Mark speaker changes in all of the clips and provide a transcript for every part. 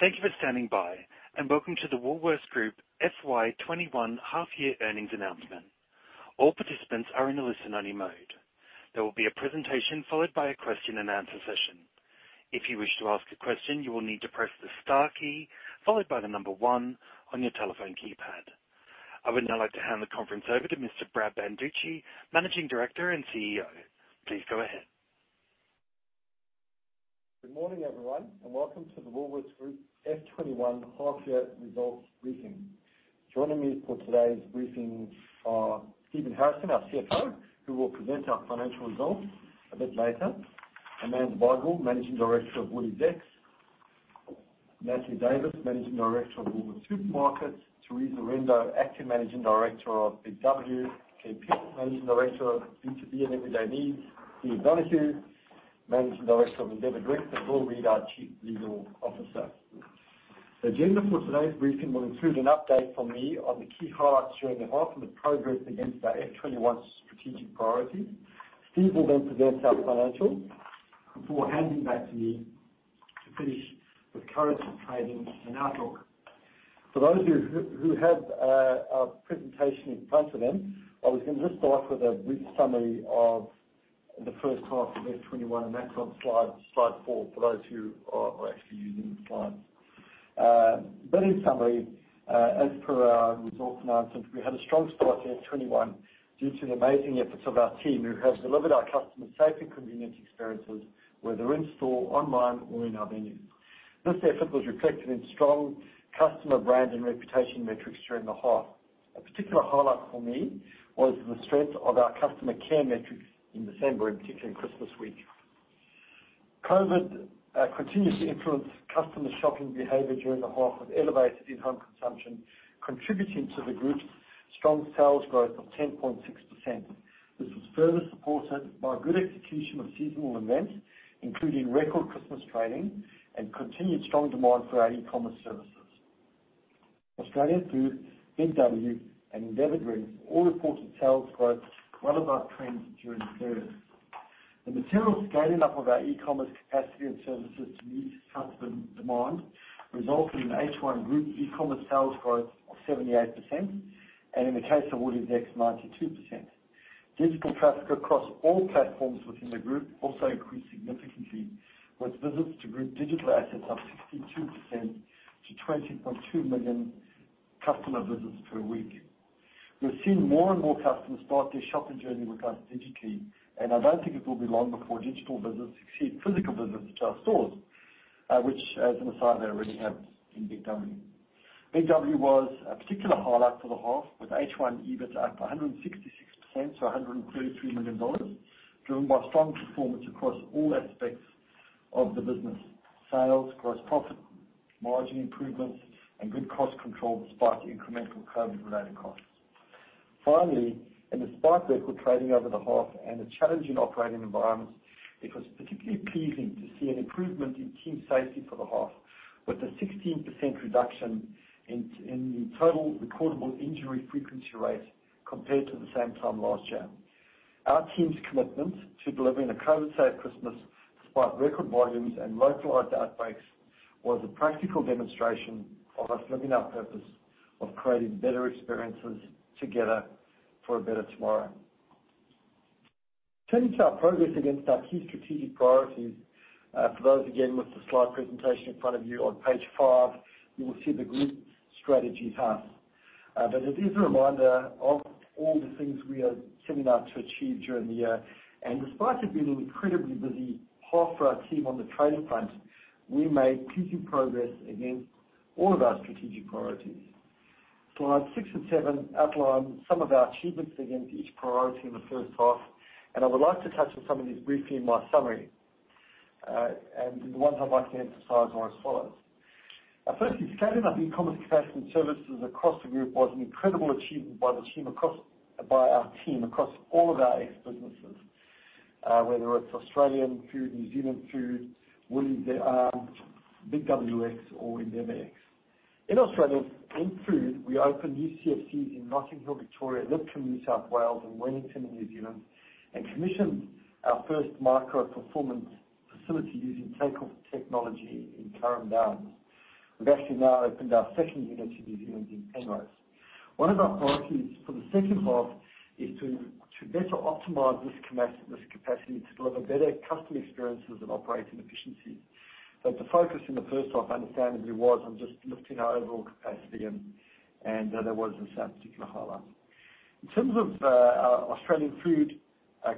Speaker 1: Thank you for standing by, and welcome to the Woolworths Group FY 2021 half-year earnings announcement. All participants are in a listen-only mode. There will be a presentation followed by a question-and-answer session. If you wish to ask a question, you will need to press the star key followed by the number one on your telephone keypad. I would now like to hand the conference over to Mr. Brad Banducci, Managing Director and CEO. Please go ahead.
Speaker 2: Good morning, everyone, and welcome to the Woolworths Group F twenty-one half-year results briefing. Joining me for today's briefing are Stephen Harrison, our CFO, who will present our financial results a bit later. Amanda Bardwell, Managing Director of WooliesX; Natalie Davis, Managing Director of Woolworths Supermarkets; Teresa Rendo, Acting Managing Director of Big W; Claire Peters, Managing Director of B2B and Everyday Needs; Steve Donohue, Managing Director of Endeavour Group; and Paul Reid, our Chief Legal Officer. The agenda for today's briefing will include an update from me on the key highlights during the half and the progress against our F twenty-one strategic priorities. Steve will then present our financials before handing back to me to finish with current trading and outlook. For those of you who have a presentation in front of them, I was gonna just start with a brief summary of the first half of F twenty-one, and that's on slide four for those who are actually using the slides. In summary, as per our results announcement, we had a strong start to F twenty-one due to the amazing efforts of our team, who have delivered our customers safe and convenient experiences, whether in store, online, or in our venues. This effort was reflected in strong customer brand and reputation metrics during the half. A particular highlight for me was the strength of our customer care metrics in December, in particular in Christmas week. COVID continued to influence customer shopping behavior during the half, with elevated in-home consumption contributing to the group's strong sales growth of 10.6%. This was further supported by good execution of seasonal events, including record Christmas trading and continued strong demand for our E-commerce services. Australian Food, Big W, and Endeavour Group all reported sales growth well above trends during the period. The material scaling up of our E-commerce capacity and services to meet customer demand resulted in H1 group E-commerce sales growth of 78%, and in the case of WooliesX, 92%. Digital traffic across all platforms within the group also increased significantly, with visits to group digital assets up 62% to 20.2 million customer visits per week. We're seeing more and more customers start their shopping journey with us digitally, and I don't think it will be long before digital visits exceed physical visits to our stores, which, as an aside, they already have in Big W. Big W was a particular highlight for the half, with H1 EBIT up 166% to 133 million dollars, driven by strong performance across all aspects of the business: sales, gross profit, margin improvements, and good cost control, despite the incremental COVID-related costs. Finally, and despite record trading over the half and a challenging operating environment, it was particularly pleasing to see an improvement in team safety for the half, with a 16% reduction in the total recordable injury frequency rate compared to the same time last year. Our team's commitment to delivering a COVID-safe Christmas, despite record volumes and localized outbreaks, was a practical demonstration of us living our purpose of creating better experiences together for a better tomorrow. Turning to our progress against our key strategic priorities, for those again with the slide presentation in front of you, on page five, you will see the group strategy hub, but it is a reminder of all the things we are setting out to achieve during the year and despite it being an incredibly busy half for our team on the trade front, we made pleasing progress against all of our strategic priorities. Slides six and seven outline some of our achievements against each priority in the first half, and I would like to touch on some of these briefly in my summary. And the ones I'd like to emphasize are as follows: firstly, scaling up E-commerce capacity and services across the group was an incredible achievement by the team across, by our team across all of our X businesses, whether it's Australian Food, New Zealand Food, WooliesX, Big W X or EndeavourX. In Australia, in Food, we opened new CFCs in Rockingham, Western Australia, Lidcombe, New South Wales, and Wellington in New Zealand, and commissioned our first micro-fulfillment facility using Takeoff Technologies in Carrum Downs. We've actually now opened our second unit in New Zealand, in Penrose. One of our priorities for the second half is to better optimize this capacity to deliver better customer experiences and operating efficiency. But the focus in the first half understandably was on just lifting our overall capacity, and that was a particular highlight. In terms of our Australian Food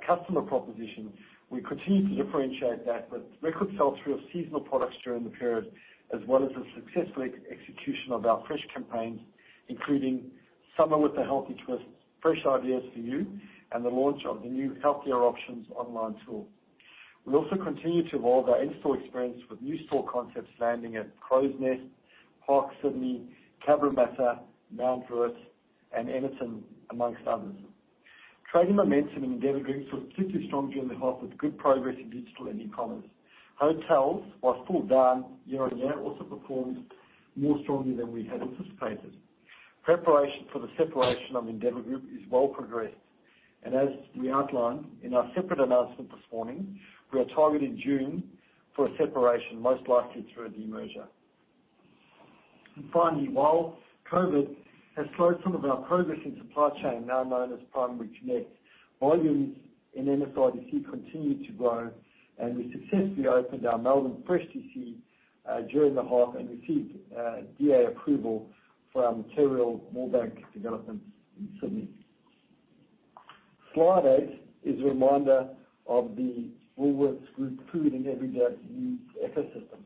Speaker 2: customer proposition, we continue to differentiate that with record sell-through of seasonal products during the period, as well as the successful execution of our fresh campaigns, including Summer with a Healthy Twist, Fresh Ideas for You, and the launch of the new Healthier Options online tool. We also continued to evolve our in-store experience with new store concepts landing at Crows Nest, Park Sydney, Cabramatta, Mount Druitt, and Emerton, amongst others. Trading momentum in Endeavour Group was particularly strong during the half, with good progress in digital and E-commerce. Hotels, while still down year-on-year, also performed more strongly than we had anticipated. Preparation for the separation of Endeavour Group is well progressed, and as we outlined in our separate announcement this morning, we are targeting June for a separation, most likely through a demerger. Finally, while COVID has slowed some of our progress in supply chain, now known as Primary Connect, volumes in MSRDC continue to grow, and we successfully opened our Melbourne fresh DC during the half, and received DA approval for our Moorebank development in Sydney. Slide eight is a reminder of the Woolworths Group food and everyday needs ecosystem.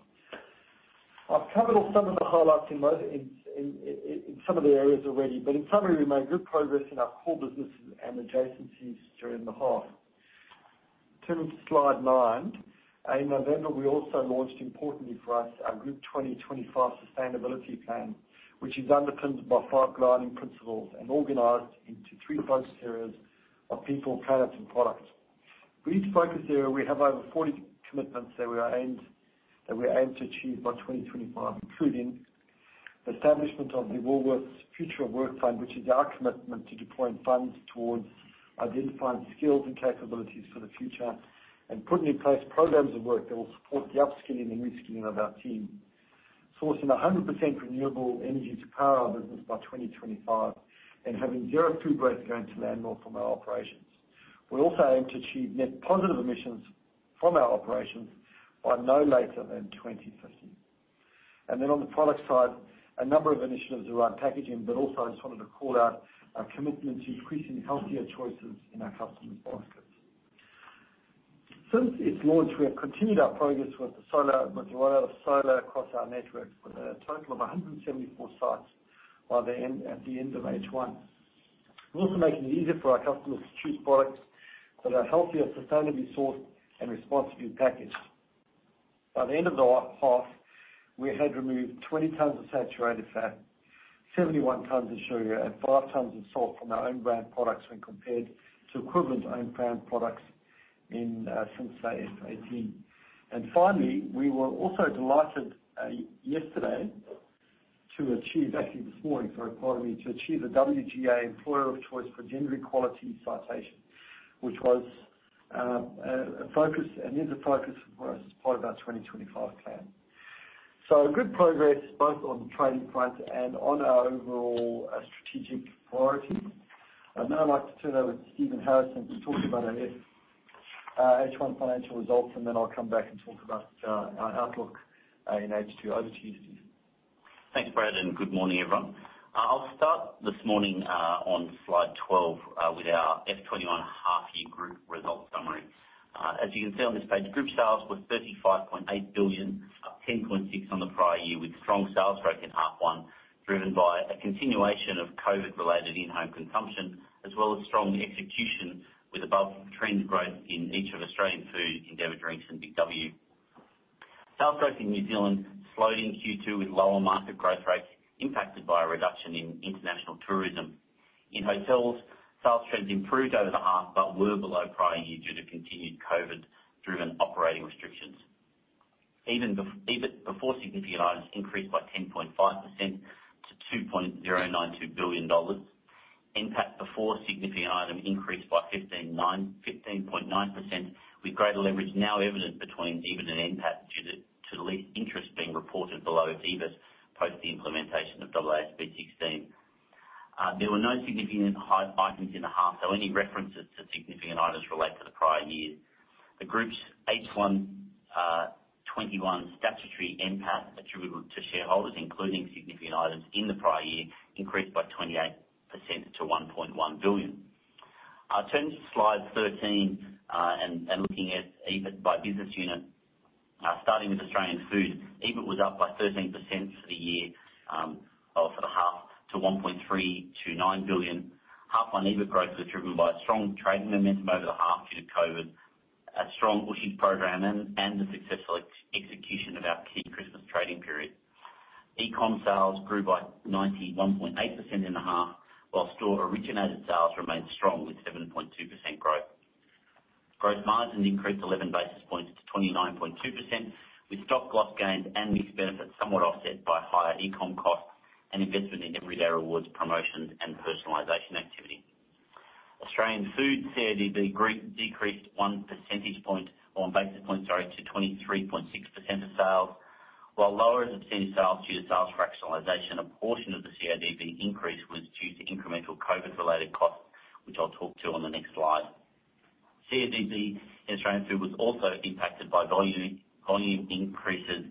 Speaker 2: I've covered off some of the highlights in some of the areas already, but in summary, we made good progress in our core businesses and adjacencies during the half. Turning to slide nine, in November, we also launched, importantly for us, our Group 2025 sustainability plan, which is underpinned by five guiding principles and organized into three focus areas of people, planet, and product. For each focus area, we have over forty commitments that we aim to achieve by 2025, including the establishment of the Woolworths Future of Work Fund, which is our commitment to deploying funds towards identifying skills and capabilities for the future, and putting in place programs of work that will support the upskilling and reskilling of our team. We aim to source 100% renewable energy to power our business by 2025 and have zero food waste going to landfill from our operations. We also aim to achieve net positive emissions from our operations by no later than 2050. Then on the product side, a number of initiatives around packaging, but also I just wanted to call out our commitment to increasing healthier choices in our customers' baskets. Since its launch, we have continued our progress with the rollout of solar across our network, with a total of 174 sites by the end at the end of H1. We're also making it easier for our customers to choose products that are healthier, sustainably sourced, and responsibly packaged. By the end of the half, we had removed 20 tons of saturated fat, 71 tons of sugar, and 5 tons of salt from our own brand products when compared to equivalent own brand products in since eighteen. And finally, we were also delighted yesterday to achieve, actually this morning, sorry, to achieve a WGEA Employer of Choice for Gender Equality citation, which was a focus and is a focus for us as part of our 2025 plan. So a good progress both on the trading front and on our overall strategic priorities. I'd now like to turn over to Stephen Harrison to talk about our H1 financial results, and then I'll come back and talk about our outlook in H2. Over to you, Steve.
Speaker 3: Thanks, Brad, and good morning, everyone. I'll start this morning on slide 12 with our F 21 half-year group results summary. As you can see on this page, group sales were 35.8 billion, up 10.6% on the prior year, with strong sales growth in half one, driven by a continuation of COVID-related in-home consumption, as well as strong execution with above-trend growth in each of Australian Food, Endeavour Drinks, and Big W. Sales growth in New Zealand slowed in Q2 with lower market growth rates impacted by a reduction in international tourism. In hotels, sales trends improved over the half but were below prior year due to continued COVID-driven operating restrictions. EBIT before significant items increased by 10.5% to 2.092 billion dollars. NPAT before significant items increased by 15.9%, with greater leverage now evident between EBIT and NPAT due to the lease interest being reported below EBIT post the implementation of AASB 16. There were no significant items in the half, so any references to significant items relate to the prior year. The group's H1 2021 statutory NPAT attributable to shareholders, including significant items in the prior year, increased by 28% to 1.1 billion. I'll turn to slide 13 and looking at EBIT by business unit. Starting with Australian Food, EBIT was up by 13% for the year or for the half, to 1.329 billion. H1 EBIT growth was driven by strong trading momentum over the half due to COVID, a strong washing program and the successful execution of our key Christmas trading period. E-com sales grew by 91.8% in the half, while store-originated sales remained strong with 7.2% growth. Gross margins increased 11 basis points to 29.2%, with stock loss gains and mix benefits somewhat offset by higher e-com costs and investment in Everyday Rewards, promotions, and personalization activity. Australian Food CODB decreased one percentage point, or one basis point, sorry, to 23.6% of sales. While lower as a percent of sales due to sales fractionalization, a portion of the CODB increase was due to incremental COVID-related costs, which I'll talk to on the next slide. CODB in Australian Food was also impacted by volume, volume increases,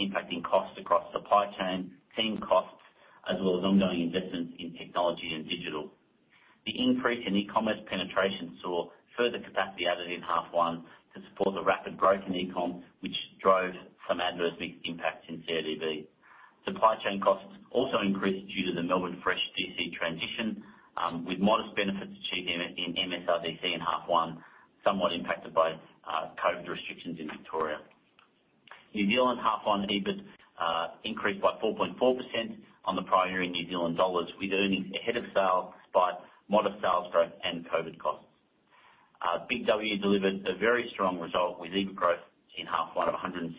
Speaker 3: impacting costs across supply chain, team costs, as well as ongoing investments in technology and digital. The increase in E-commerce penetration saw further capacity added in half one to support the rapid growth in e-com, which drove some adverse mixed impacts in CODB. Supply chain costs also increased due to the Melbourne Fresh DC transition, with modest benefits achieved in MSRDC in half one, somewhat impacted by COVID restrictions in Victoria. New Zealand half one EBIT increased by 4.4% on the prior year in New Zealand dollars, with earnings ahead of sales by modest sales growth and COVID costs. Big W delivered a very strong result, with EBIT growth in half one of 166%,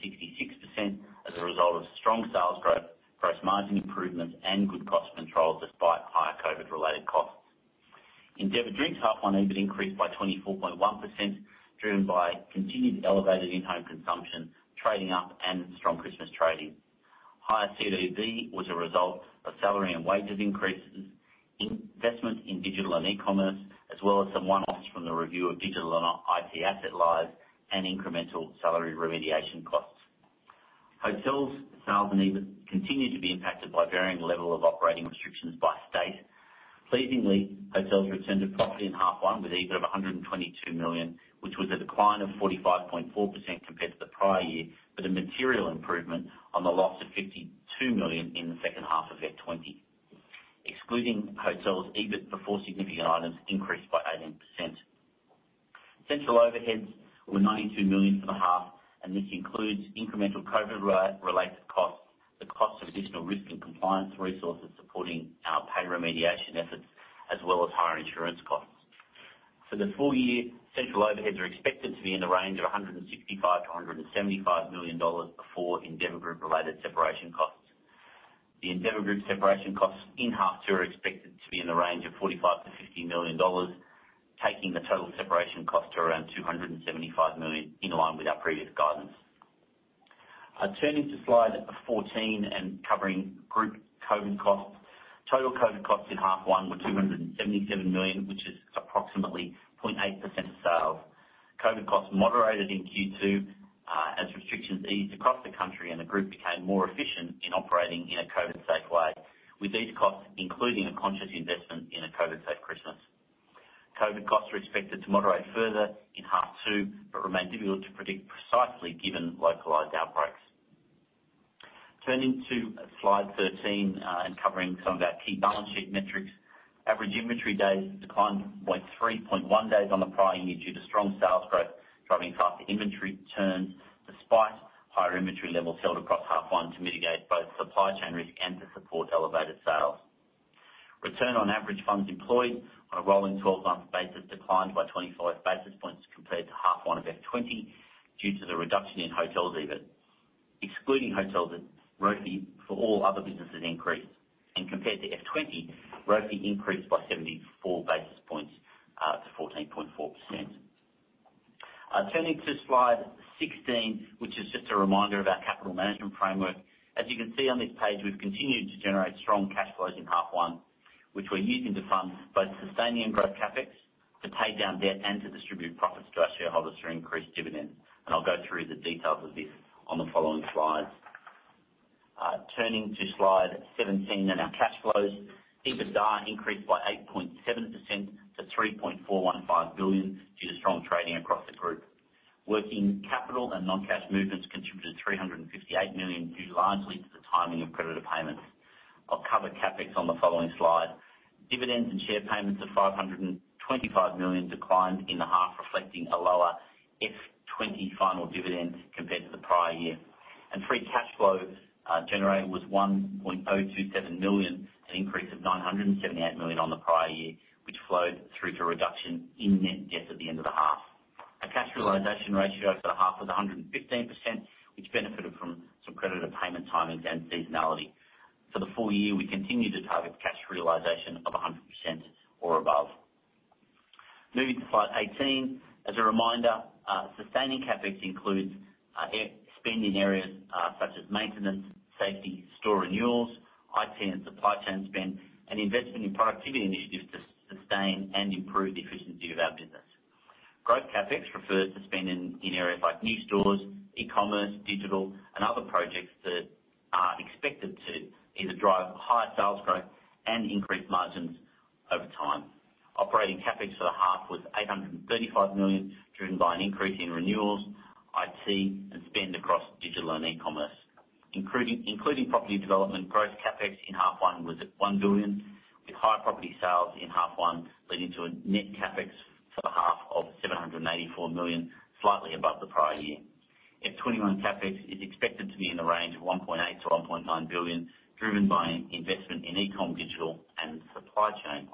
Speaker 3: as a result of strong sales growth, gross margin improvements, and good cost control, despite higher COVID-related costs. Endeavour Drinks' half one EBIT increased by 24.1%, driven by continued elevated in-home consumption, trading up, and strong Christmas trading. Higher CODB was a result of salary and wages increases, investment in digital and E-commerce, as well as some one-offs from the review of digital and IT asset lives, and incremental salary remediation costs. Hotels' sales and EBIT continued to be impacted by varying level of operating restrictions by state. Pleasingly, hotels returned to profit in half one, with EBIT of 122 million, which was a decline of 45.4% compared to the prior year, but a material improvement on the loss of 52 million in the second half of F20. Excluding hotels, EBIT before significant items increased by 18%. Central overheads were 92 million for the half, and this includes incremental COVID-related costs, the cost of additional risk and compliance resources supporting pay remediation efforts, as well as higher insurance costs. For the full year, central overheads are expected to be in the range of 165 million-175 million dollars before Endeavour Group-related separation costs. The Endeavour Group separation costs in half two are expected to be in the range of 45 million-50 million dollars, taking the total separation cost to around 275 million, in line with our previous guidance. Turning to slide fourteen, and covering group COVID costs. Total COVID costs in half one were 277 million, which is approximately 0.8% of sales. COVID costs moderated in Q2, as restrictions eased across the country, and the group became more efficient in operating in a COVID-safe way, with these costs including a conscious investment in a COVID-safe Christmas. COVID costs are expected to moderate further in half two, but remain difficult to predict precisely, given localized outbreaks. Turning to slide thirteen, and covering some of our key balance sheet metrics. Average inventory days declined to 3.1 days on the prior year, due to strong sales growth, driving faster inventory turns, despite higher inventory levels held across half one to mitigate both supply chain risk and to support elevated sales. Return on average funds employed on a rolling twelve-month basis declined by 25 basis points compared to half one of F20, due to the reduction in hotels' EBIT. Excluding hotels, ROFE, for all other businesses, increased, and compared to F20, ROFE increased by 74 basis points to 14.4%. Turning to slide 16, which is just a reminder of our capital management framework. As you can see on this page, we've continued to generate strong cash flows in half one, which we're using to fund both sustaining growth CapEx, to pay down debt, and to distribute profits to our shareholders through increased dividends, and I'll go through the details of this on the following slides. Turning to slide 17 and our cash flows. EBITDA increased by 8.7% to 3.415 billion due to strong trading across the group. Working capital and non-cash movements contributed 358 million, due largely to the timing of creditor payments. I'll cover CapEx on the following slide. Dividends and share payments of 525 million declined in the half, reflecting a lower F20 final dividend compared to the prior year. Free cash flow generated was 1.027 million, an increase of 978 million on the prior year, which flowed through to a reduction in net debt at the end of the half. Our Cash Realization Ratio for the half was 115%, which benefited from some creditor payment timings and seasonality. For the full year, we continue to target cash realization of 100% or above. Moving to slide 18, as a reminder, sustaining CapEx includes spend in areas such as maintenance, safety, store renewals, IT, and supply chain spend, and investment in productivity initiatives to sustain and improve the efficiency of our business. Growth CapEx refers to spending in areas like new stores, E-commerce, digital, and other projects that are expected to either drive higher sales growth and increase margins over time. Operating CapEx for the half was 835 million, driven by an increase in renewals, IT, and spend across digital and E-commerce. Including property development, gross CapEx in half one was at 1 billion, with higher property sales in half one, leading to a net CapEx for the half of 784 million, slightly above the prior year. F21 CapEx is expected to be in the range of 1.8 billion-1.9 billion, driven by investment in e-com, digital, and supply chain.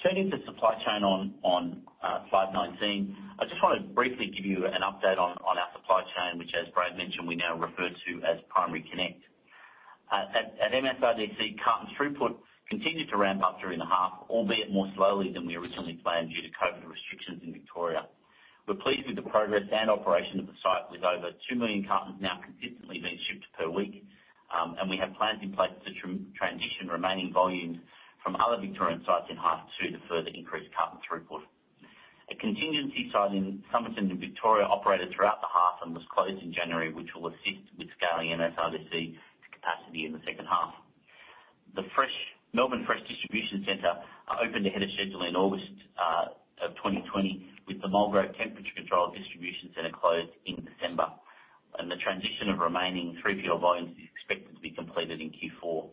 Speaker 3: Turning to supply chain slide nineteen, I just want to briefly give you an update on our supply chain, which, as Brad mentioned, we now refer to as Primary Connect. At MSRDC, carton throughput continued to ramp up during the half, albeit more slowly than we originally planned due to COVID restrictions in Victoria. We're pleased with the progress and operation of the site, with over two million cartons now consistently being shipped per week, and we have plans in place to transition remaining volumes from other Victorian sites in half two to further increase carton throughput. A contingency site in Somerton, in Victoria, operated throughout the half and was closed in January, which will assist with scaling MSRDC to capacity in the second half. The fresh Melbourne Fresh Distribution Center opened ahead of schedule in August of 2020, with the Mulgrave Temperature Controlled Distribution Center closed in December, and the transition of remaining 3PL volumes is expected to be completed in Q4.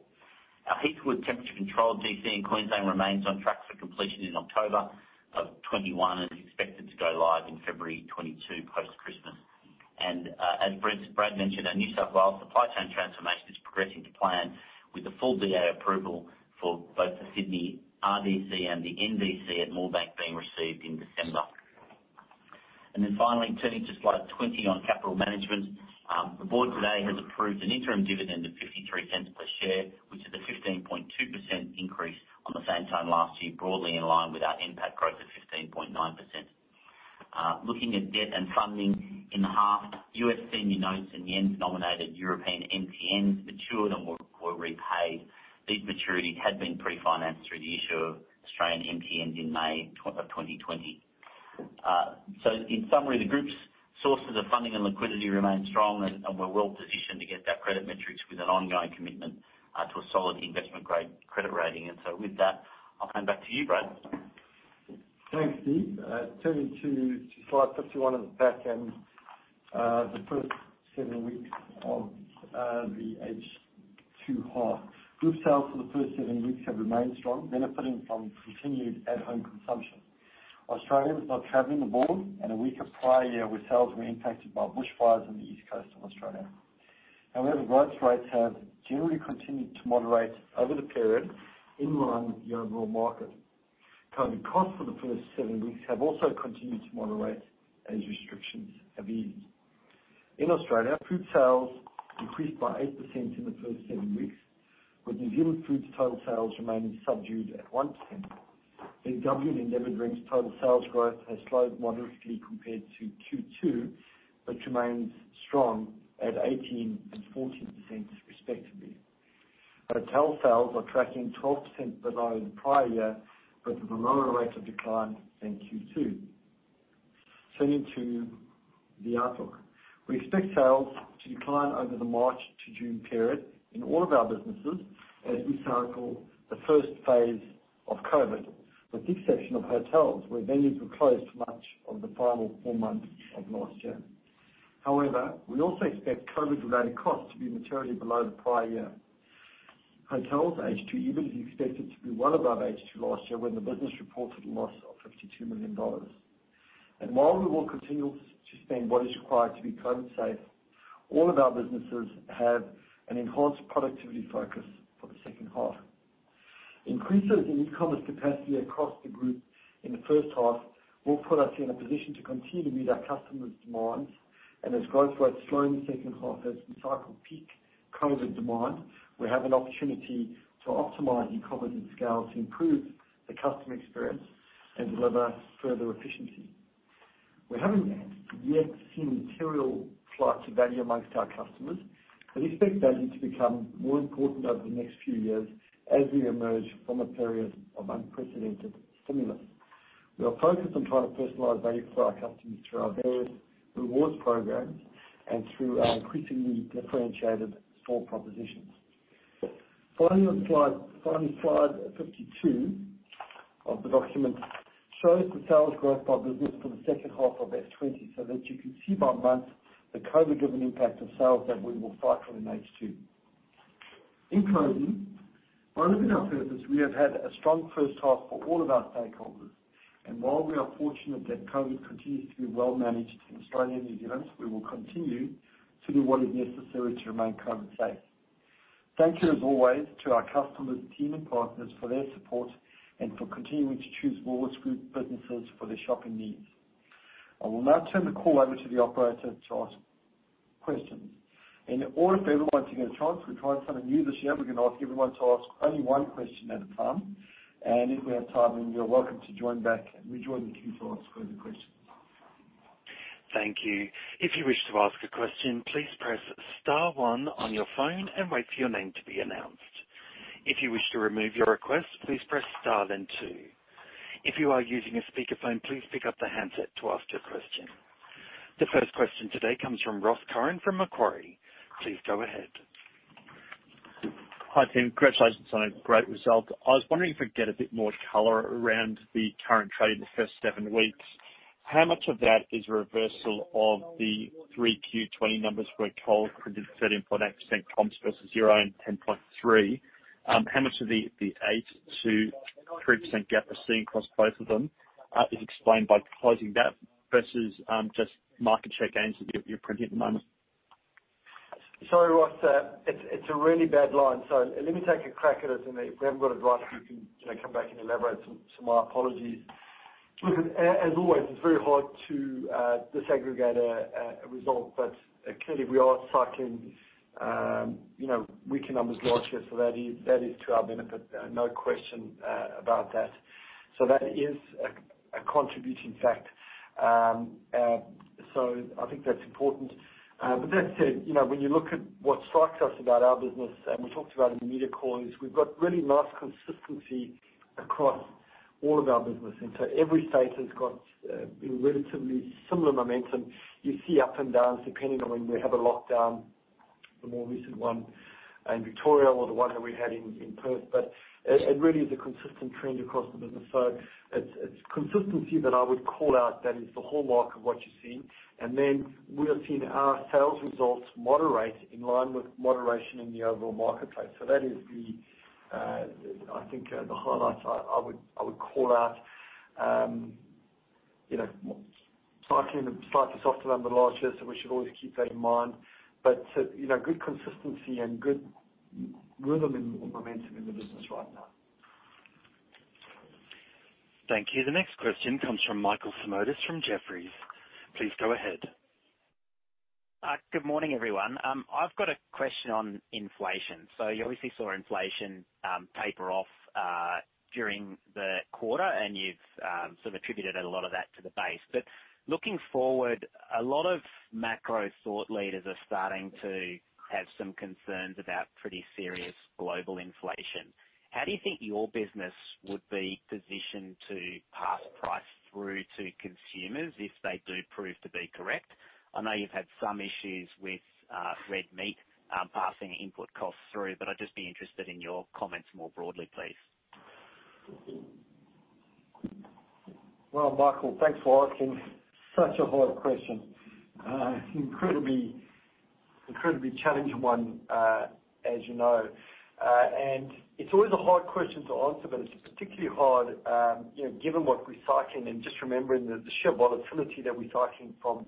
Speaker 3: Our Heathwood Temperature Controlled DC in Queensland remains on track for completion in October of 2021, and is expected to go live in February 2022, post-Christmas. As Brad mentioned, our New South Wales supply chain transformation is progressing to plan with the full DA approval for both the Sydney RDC and the NDC at Moorebank being received in December. Finally, turning to slide 20 on capital management. The board today has approved an interim dividend of 0.53 per share, which is a 15.2% increase on the same time last year, broadly in line with our NPAT growth of 15.9%. Looking at debt and funding in the half, US senior notes and yen-denominated European MTNs matured and were repaid. These maturities had been pre-financed through the issue of Australian MTNs in May 2020. So in summary, the group's sources of funding and liquidity remain strong, and we're well positioned to get that credit metrics with an ongoing commitment to a solid investment grade credit rating. And so with that, I'll hand back to you, Brad.
Speaker 2: Thanks, Stephen. Turning to slide 51 at the back end. The first seven weeks of the H2 half. Group sales for the first seven weeks have remained strong, benefiting from continued at-home consumption. Australians are traveling abroad and a weaker prior year where sales were impacted by bushfires on the East Coast of Australia. However, growth rates have generally continued to moderate over the period in line with the overall market. COVID costs for the first seven weeks have also continued to moderate as restrictions have eased. In Australia, food sales increased by 8% in the first seven weeks, with New Zealand food's total sales remaining subdued at 1%. In WA, the Big W, drinks total sales growth has slowed moderately compared to Q2, but remains strong at 18% and 14% respectively. Hotel sales are tracking 12% below the prior year, but with a lower rate of decline than Q2. Turning to the outlook. We expect sales to decline over the March to June period in all of our businesses as we cycle the first phase of COVID, with the exception of hotels, where venues were closed for much of the final four months of last year. However, we also expect COVID-related costs to be materially below the prior year. Hotels H2 EBIT is expected to be well above H2 last year, when the business reported a loss of 52 million dollars. And while we will continue to spend what is required to be COVID safe, all of our businesses have an enhanced productivity focus for the second half. Increases in E-commerce capacity across the group in the first half will put us in a position to continue to meet our customers' demands, and as growth rates slow in the second half as wEe cycle peak COVID demand, we have an opportunity to optimize E-commerce and scale to improve the customer experience and deliver further efficiency. We haven't yet seen material flight to value among our customers, but expect value to become more important over the next few years as we emerge from a period of unprecedented stimulus. We are focused on trying to personalize value for our customers through our various rewards programs and through our increasingly differentiated store propositions. Finally, on the final slide 52 of the document shows the sales growth by business for the second half of F20, so that you can see by month the COVID-driven impact of sales that we will cycle in H2. In closing, by living our purpose, we have had a strong first half for all of our stakeholders, and while we are fortunate that COVID continues to be well managed in Australia and New Zealand, we will continue to do what is necessary to remain COVID safe. Thank you, as always, to our customers, team, and partners for their support and for continuing to choose Woolworths Group businesses for their shopping needs. I will now turn the call over to the operator to ask questions. In order for everyone to get a chance, we're trying something new this year. We're going to ask everyone to ask only one question at a time, and if we have time, then you're welcome to join back and rejoin the queue to ask another question.
Speaker 1: Thank you. If you wish to ask a question, please press star one on your phone and wait for your name to be announced. If you wish to remove your request, please press star, then two. If you are using a speakerphone, please pick up the handset to ask your question. The first question today comes from Ross Curran from Macquarie. Please go ahead.
Speaker 4: Hi, team. Congratulations on a great result. I was wondering if I could get a bit more color around the current trade in the first seven weeks. How much of that is a reversal of the three Q20 numbers, where Coles printed 13.8% comps versus 0% and 10.3%? How much of the 8% to 3% gap we're seeing across both of them is explained by closing that versus just market share gains that you're printing at the moment?
Speaker 2: Sorry, Ross. It's a really bad line, so let me take a crack at it, and if we haven't got it right, you can, you know, come back and elaborate some more. Apologies. Look, as always, it's very hard to disaggregate a result, but clearly, we are cycling, you know, weaker numbers last year, so that is to our benefit. No question about that. So that is a contributing fact. So I think that's important. But that said, you know, when you look at what strikes us about our business, and we talked about in the media call, is we've got really nice consistency across all of our business, and so every state has got relatively similar momentum. You see ups and downs, depending on when we have a lockdown, the more recent one in Victoria or the one that we had in Perth, but it really is a consistent trend across the business. So it's consistency that I would call out that is the hallmark of what you're seeing. And then we are seeing our sales results moderate in line with moderation in the overall marketplace. So that is the, I think, the highlights I would call out. You know, cycling a slightly softer number last year, so we should always keep that in mind. But so, you know, good consistency and good rhythm and momentum in the business right now.
Speaker 1: Thank you. The next question comes from Michael Simotas from Jefferies. Please go ahead.
Speaker 5: Good morning, everyone. I've got a question on inflation. So you obviously saw inflation taper off during the quarter, and you've sort of attributed a lot of that to the base. But looking forward, a lot of macro thought leaders are starting to have some concerns about pretty serious global inflation. How do you think your business would be positioned to pass price through to consumers if they do prove to be correct? I know you've had some issues with red meat passing input costs through, but I'd just be interested in your comments more broadly, please.
Speaker 2: Michael, thanks for asking such a hard question. Incredibly, incredibly challenging one, as you know, and it's always a hard question to answer, but it's particularly hard, you know, given what we're cycling and just remembering the sheer volatility that we're cycling from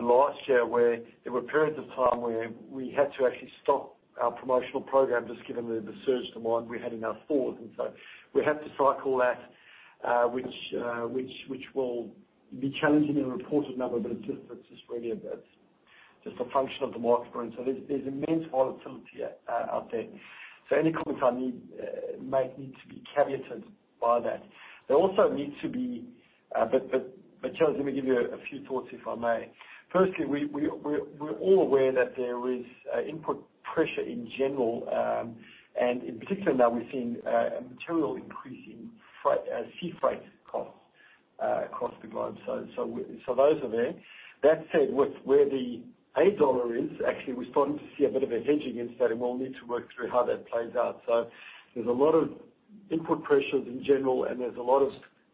Speaker 2: last year, where there were periods of time where we had to actually stop our promotional program, just given the surge demand we had in our stores, and so we have to cycle that, which will be challenging in a reported number, but it's just, it's really about just a function of the market point, so there's immense volatility out there, so any comments I need to make need to be caveated by that. Charles, let me give you a few thoughts, if I may. Firstly, we're all aware that there is input pressure in general, and in particular now we've seen a material increase in freight, sea freight costs, across the globe, so those are there. That said, with where the AUD is, actually we're starting to see a bit of a hedge against that, and we'll need to work through how that plays out, so there's a lot of input pressures in general, and there's a lot of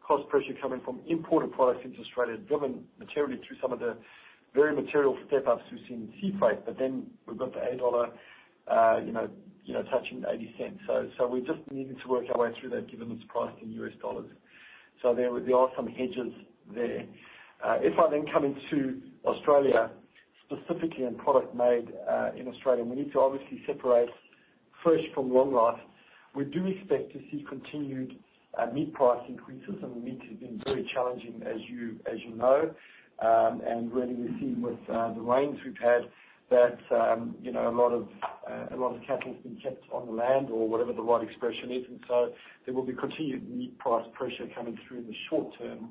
Speaker 2: cost pressure coming from imported products into Australia, driven materially through some of the very material step-ups we've seen in sea freight, but then we've got the AUD, you know, touching 80 cents. We're just needing to work our way through that, given it's priced in U.S. dollars. There are some hedges there. If I then come into Australia, specifically in product made in Australia, we need to obviously separate fresh from long life. We do expect to see continued meat price increases, and meat has been very challenging, as you know. And really, we've seen with the rains we've had, that you know, a lot of cattle has been kept on the land or whatever the right expression is. And so there will be continued meat price pressure coming through in the short term,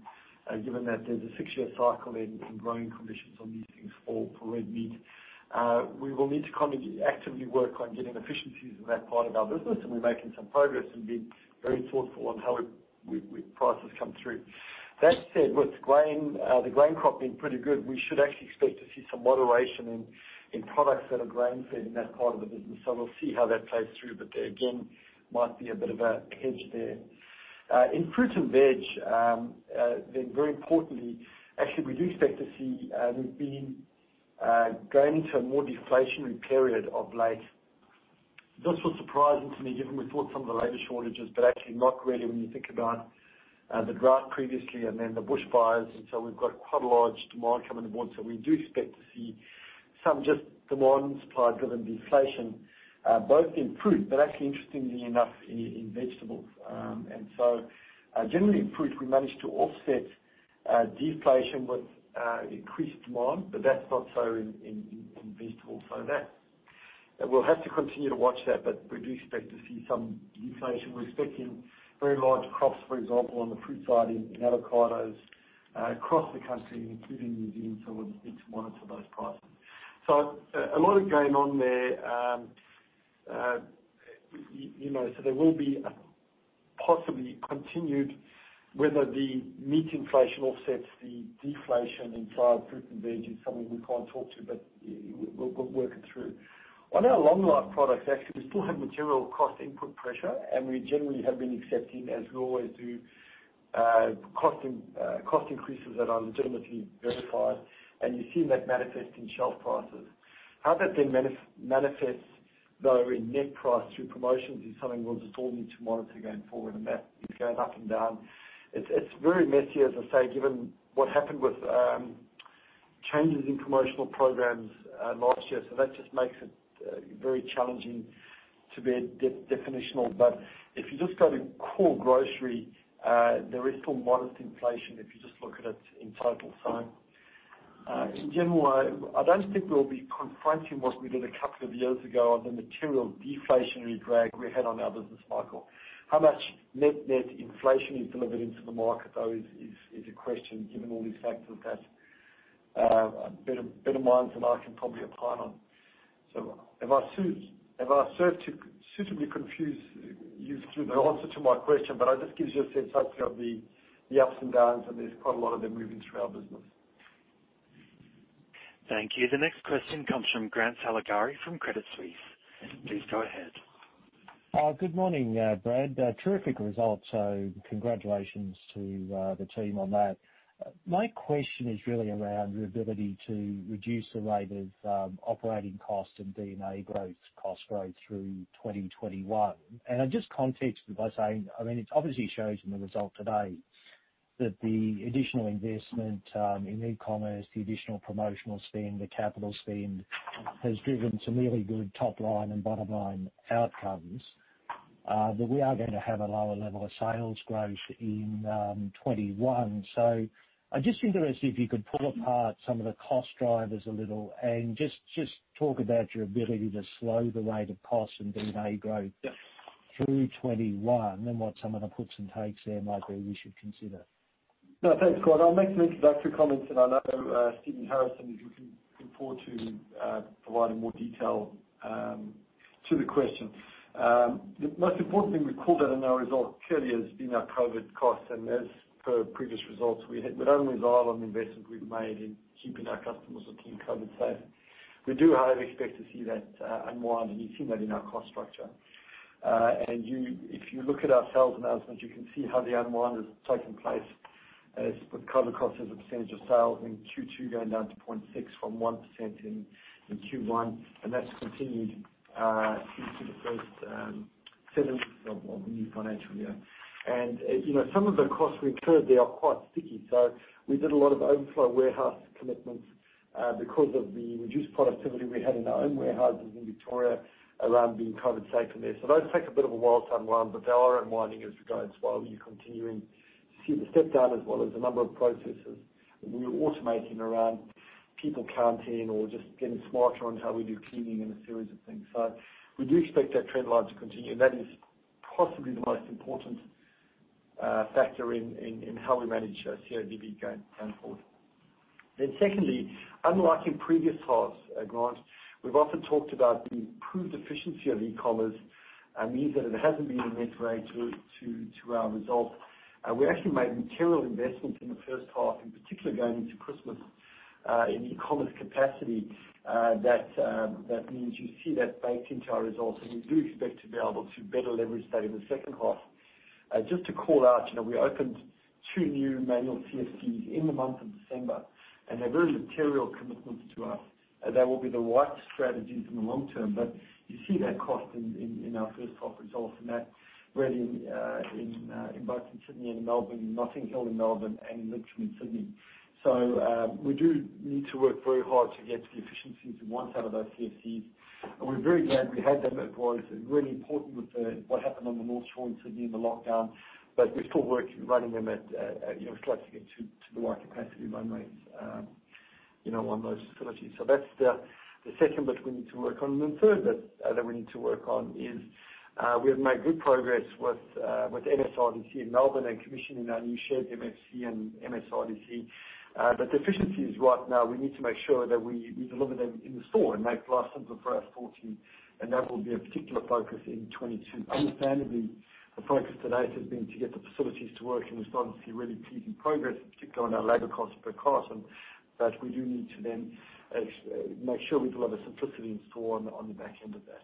Speaker 2: given that there's a six-year cycle in growing conditions on these things for red meat. We will need to kind of actively work on getting efficiencies in that part of our business, and we're making some progress and being very thoughtful on how it, we, with prices come through. That said, with grain, the grain crop being pretty good, we should actually expect to see some moderation in products that are grain-fed in that part of the business. So we'll see how that plays through, but there again, might be a bit of a hedge there. In fruit and veg, then very importantly, actually, we do expect to see, we've been going into a more deflationary period of late. This was surprising to me, given we thought some of the labor shortages, but actually not really when you think about the drought previously and then the bushfires. And so we've got quite a large demand coming on board. So we do expect to see some just demand, supply-driven deflation, both in fruit, but actually, interestingly enough, in vegetables. And so, generally in fruit, we managed to offset deflation with increased demand, but that's not so in vegetables. So that, we'll have to continue to watch that, but we do expect to see some deflation. We're expecting very large crops, for example, on the fruit side, in avocados, across the country, including New Zealand. So we'll need to monitor those prices. So a lot of going on there. You know, so there will be a possibly continued, whether the meat inflation offsets the deflation in fruit and veg is something we can't talk to, but we'll work it through. On our long life products, actually, we still have material cost input pressure, and we generally have been accepting, as we always do, cost increases that are legitimately verified, and you've seen that manifest in shelf prices. How that then manifests, though, in net price through promotions is something we'll just all need to monitor going forward, and that is going up and down. It's, it's very messy, as I say, given what happened with changes in promotional programs last year. So that just makes it very challenging to be definitional. But if you just go to core grocery, there is still modest inflation, if you just look at it in total. So, in general, I don't think we'll be confronting what we did a couple of years ago on the material deflationary drag we had on our business, Michael. How much net-net inflation is delivered into the market, though, is a question, given all these factors that better minds than I can probably opine on. So have I served to suitably confuse you through the answer to my question? But I just gives you a sense of the ups and downs, and there's quite a lot of them moving through our business.
Speaker 1: Thank you. The next question comes from Grant Saligari from Credit Suisse. Please go ahead. Good morning, Brad. Terrific results, so congratulations to the team on that. My question is really around your ability to reduce the rate of operating costs and D&A growth, cost growth through 2021. And I just context it by saying, I mean, it obviously shows in the result today. ... that the additional investment in E-commerce, the additional promotional spend, the capital spend, has driven some really good top line and bottom line outcomes, but we are going to have a lower level of sales growth in 2021. So I'm just interested, if you could pull apart some of the cost drivers a little, and just talk about your ability to slow the rate of cost and capex growth.
Speaker 2: Yep. Through 2021, and what some of the puts and takes there might be we should consider. No, thanks, Grant. I'll make some introductory comments, and I know, Stephen Harrison, you can look forward to providing more detail to the question. The most important thing we've called out in our results clearly has been our COVID costs, and as per previous results, we had - we're only involved on the investment we've made in keeping our customers and team COVID safe. We do, however, expect to see that unwind, and you've seen that in our cost structure. And if you look at our sales announcement, you can see how the unwind has taken place as with COVID costs as a percentage of sales in Q2, going down to 0.6% from 1% in Q1, and that's continued into the first seven weeks of the new financial year. You know, some of the costs we incurred, they are quite sticky, so we did a lot of overflow warehouse commitments because of the reduced productivity we had in our own warehouses in Victoria around being COVID safe in there, so those take a bit of a while to unwind, but they are unwinding as it goes, while we're continuing to see the step down, as well as a number of processes that we're automating around people counting or just getting smarter on how we do cleaning and a series of things, so we do expect that trend line to continue, and that is possibly the most important factor in how we manage CODB going forward. Then, secondly, unlike in previous halves, Grant, we've often talked about the improved efficiency of E-commerce, and means that it hasn't been a net drag to our results. We actually made material investments in the first half, in particular, going into Christmas, in E-commerce capacity. That means you see that baked into our results, and we do expect to be able to better leverage that in the second half. Just to call out, you know, we opened two new manual CFCs in the month of December, and they're very material commitments to us, and they will be the right strategy in the long term. But you see that cost in our first half results, and that really in both Sydney and Melbourne, in Notting Hill, in Melbourne, and in Richmond, Sydney. We do need to work very hard to get to the efficiencies we want out of those CFCs, and we're very glad we had them. It was really important with what happened on the North Shore in Sydney in the lockdown, but we're still working, running them at, you know, slightly to the right capacity run rates, you know, on those facilities. That's the second bit we need to work on. Then the third bit that we need to work on is we have made good progress with MSRDC in Melbourne and commissioning our new shared MFC and MSRDC. But the efficiency right now, we need to make sure that we deliver them in the store and make the last mile simple for our customers, and that will be a particular focus in 2022. Understandably, the focus to date has been to get the facilities to work, and we're starting to see really pleasing progress, in particular on our labor cost per carton. But we do need to then make sure we deliver simplicity in store on the, on the back end of that.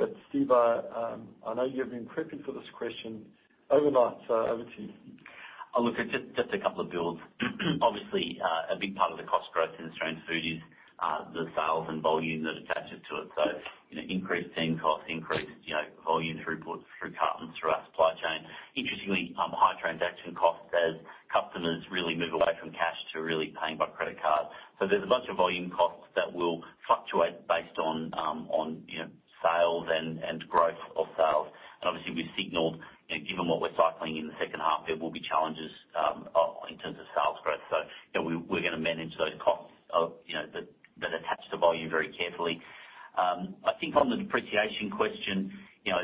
Speaker 2: But Steve, I, I know you have been prepping for this question overnight, so over to you.
Speaker 3: It's just a couple of builds. Obviously, a big part of the cost growth in Australian Food is the sales and volume that attaches to it. So, you know, increased team costs, increased, you know, volume throughput through cartons through our supply chain. Interestingly, high transaction costs as customers really move away from cash to really paying by credit card. So there's a bunch of volume costs that will fluctuate based on, on, you know, sales and growth of sales. And obviously, we signaled, you know, given what we're cycling in the second half, there will be challenges in terms of sales growth. So, you know, we're gonna manage those costs, you know, that attach to volume very carefully. I think on the depreciation question, you know,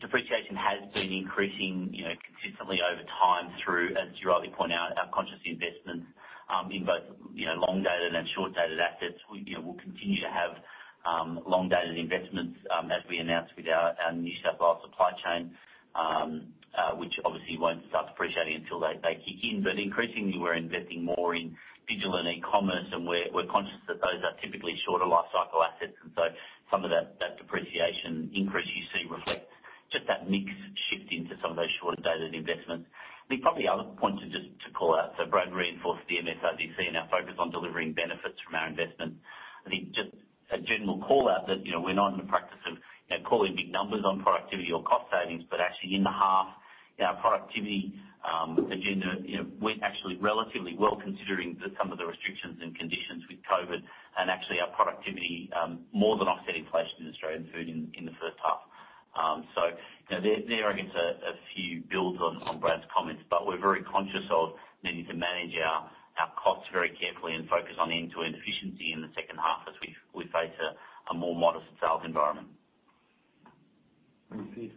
Speaker 3: depreciation has been increasing, you know, consistently over time through, as you rightly point out, our conscious investment, in both, you know, long-dated and short-dated assets. We, you know, we'll continue to have, long-dated investments, as we announced with our New South Wales supply chain, which obviously won't start depreciating until they kick in. But increasingly we're investing more in digital and E-commerce, and we're conscious that those are typically shorter lifecycle assets. And so some of that depreciation increase you see reflects just that mix shifting to some of those shorter-dated investments. I think probably other point to call out, so Brad reinforced the MSRDC and our focus on delivering benefits from our investment. I think just a general call out that, you know, we're not in the practice of, you know, calling big numbers on productivity or cost savings, but actually in the half, our productivity agenda, you know, went actually relatively well, considering some of the restrictions and conditions with COVID, and actually our productivity more than offset inflation in Australian Food in the first half, so, you know, there I guess are a few builds on Brad's comments, but we're very conscious of needing to manage our costs very carefully and focus on end-to-end efficiency in the second half as we face a more modest sales environment. Thank you.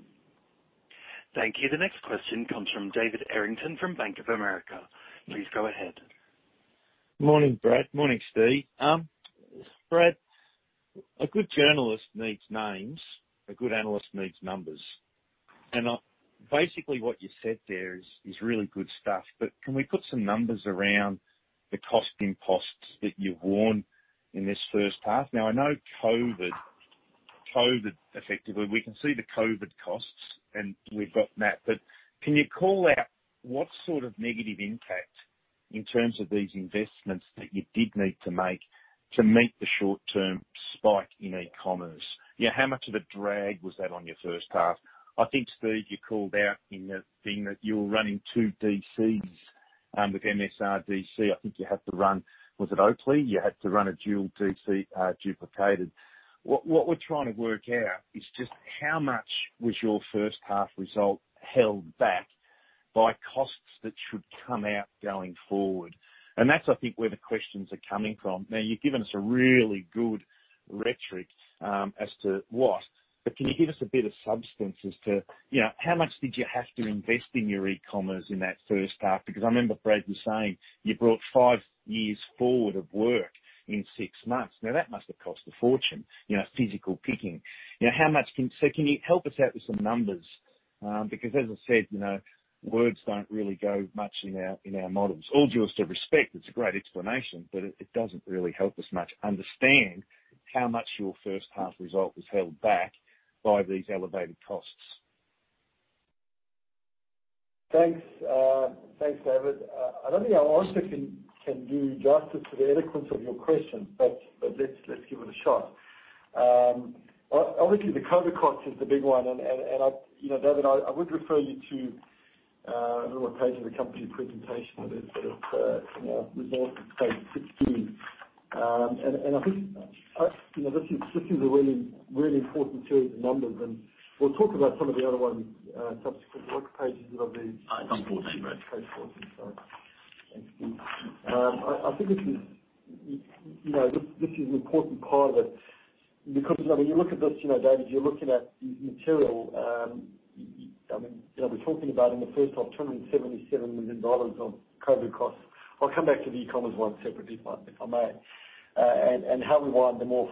Speaker 1: Thank you. The next question comes from David Errington from Bank of America. Please go ahead. Morning, Brad. Morning, Steve. Brad, a good journalist needs names, a good analyst needs numbers, and basically what you said there is really good stuff, but can we put some numbers around the costing costs that you've warned in this first half? Now, I know COVID effectively, we can see the COVID costs, and we've got that. But can you call out what sort of negative impact in terms of these investments that you did need to make to meet the short-term spike in E-commerce, yeah, how much of a drag was that on your first half? I think, Steve, you called out in the thing that you were running two DCs with MSRDC. I think you had to run. Was it Oakleigh? You had to run a dual DC, duplicated. What we're trying to work out is just how much was your first half result held back by costs that should come out going forward? And that's, I think, where the questions are coming from. Now, you've given us a really good rhetoric as to what, but can you give us a bit of substance as to, you know, how much did you have to invest in your E-commerce in that first half? Because I remember Brad was saying you brought five years forward of work in six months. Now, that must have cost a fortune, you know, physical picking. You know. So can you help us out with some numbers? Because as I said, you know, words don't really go much in our models. All due respect, it's a great explanation, but it, it doesn't really help us much understand how much your first half result was held back by these elevated costs.
Speaker 2: Thanks, thanks, David. I don't think I honestly can do justice to the eloquence of your question, but let's give it a shot. Obviously, the COVID cost is the big one, and I... You know, David, I would refer you to a little page of the company presentation that is, you know, Resource Page 16. And I think, you know, this is a really important series of numbers, and we'll talk about some of the other ones, subsequent. What page is it on the- It's on 14, Brad. Page fourteen. Sorry. I think this is, you know, this is an important part of it, because when you look at this, you know, David, you're looking at material. I mean, you know, we're talking about in the first half, 7 million dollars of COVID costs. I'll come back to the E-commerce one separately, if I may, and how we wind them off.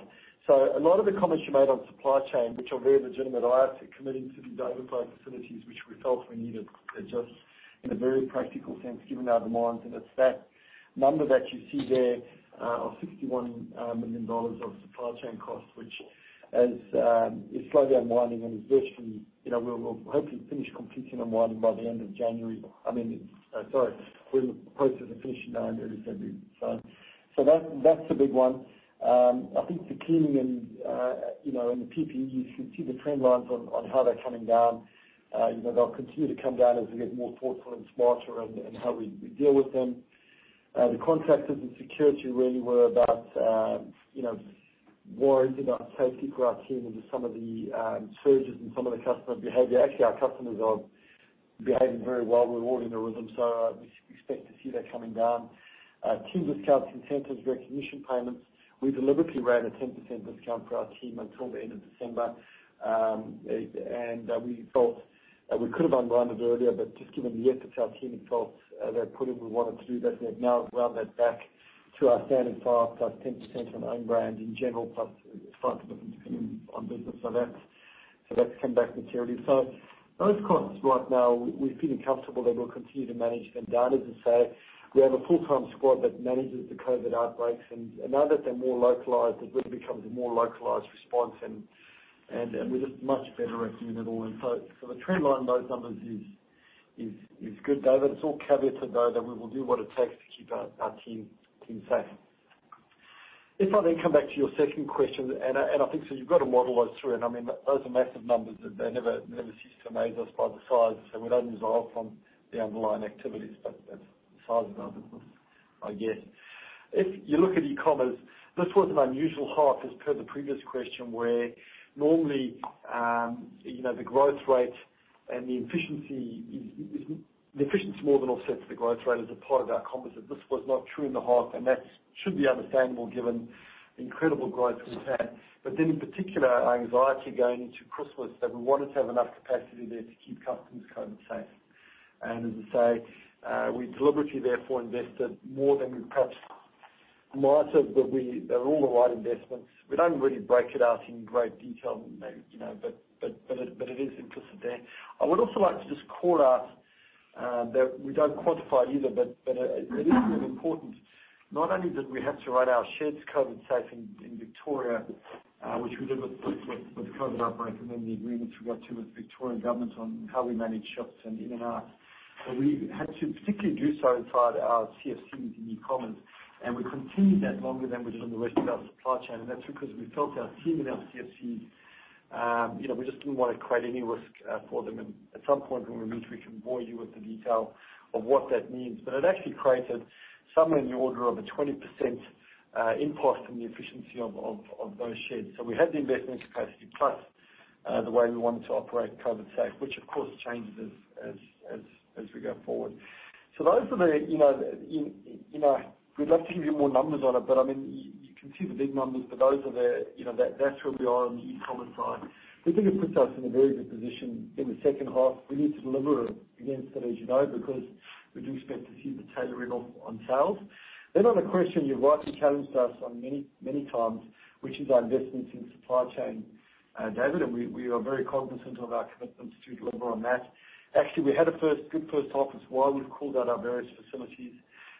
Speaker 2: So a lot of the comments you made on supply chain, which are very legitimate, I actually committing to the DC play facilities, which we felt we needed. They're just in a very practical sense, given our demands, and it's that number that you see there, of 61 million dollars of supply chain costs, which, as is slowly unwinding, and is virtually, you know, we'll hopefully finish completing unwinding by the end of January. I mean, it's... sorry, we're in the process of finishing now in early February. So that's the big one. I think the cleaning and, you know, and the PPE, you can see the trend lines on how they're coming down. You know, they'll continue to come down as we get more thoughtful and smarter in how we deal with them. The contractors and security really were about, you know, worried about safety for our team and some of the surges in some of the customer behavior. Actually, our customers are behaving very well. We're all in a rhythm, so we expect to see that coming down. Team discounts, incentives, recognition, payments. We deliberately ran a 10% discount for our team until the end of December. And we felt we could have unwound it earlier, but just given the year to our team, it felt they put in, we wanted to do that. We have now wound that back to our standard 5% plus 10% on own brand in general, plus front of the on business. So that's come back materially. So those costs right now, we're feeling comfortable that we'll continue to manage them down. As I say, we have a full-time squad that manages the COVID outbreaks, and now that they're more localized, it really becomes a more localized response, and we're just much better at doing it all. So the trend line in those numbers is good, David. It's all caveated though that we will do what it takes to keep our team safe. If I then come back to your second question, and I think so you've got to model those through, and I mean, those are massive numbers. They never cease to amaze us by the size, and we don't resolve from the underlying activities, but that's the size of the numbers, I guess. If you look at E-commerce, this was an unusual H1 as per the previous question, where normally, you know, the growth rate and the efficiency is. The efficiency more than offsets the growth rate as a part of our composite. This was not true in the H1, and that should be understandable given the incredible growth we've had. But then in particular, our anxiety going into Christmas, that we wanted to have enough capacity there to keep customers COVID safe. And as I say, we deliberately therefore invested more than we perhaps might have, but they were all the right investments. We don't really break it out in great detail, maybe, you know, but it is included there. I would also like to just call out that we don't quantify either, but it is really important, not only that we had to make our stores COVID-safe in Victoria, which we did with the COVID outbreak, and then the agreements we got to with the Victorian Government on how we manage shops and in and out. We had to particularly do so inside our CFC in E-commerce, and we continued that longer than we did on the rest of our supply chain, and that's because we felt our team in our CFC, you know, we just didn't want to create any risk for them, and at some point, when we meet, we can bore you with the detail of what that means. But it actually created somewhere in the order of a 20% impact on the efficiency of those sheds. So we had the investment capacity, plus the way we wanted to operate COVID safe, which of course changes as we go forward. So those are the, you know... We'd love to give you more numbers on it, but I mean, you can see the big numbers, but those are the, you know, that's where we are on the E-commerce side. We think it puts us in a very good position in the second half. We need to deliver against that, as you know, because we do expect to see the tailoring on sales. Then on the question you've rightly challenged us on many, many times, which is our investments in supply chain, David, and we are very cognizant of our commitment to deliver on that. Actually, we had a good first half as well. We've called out our various facilities.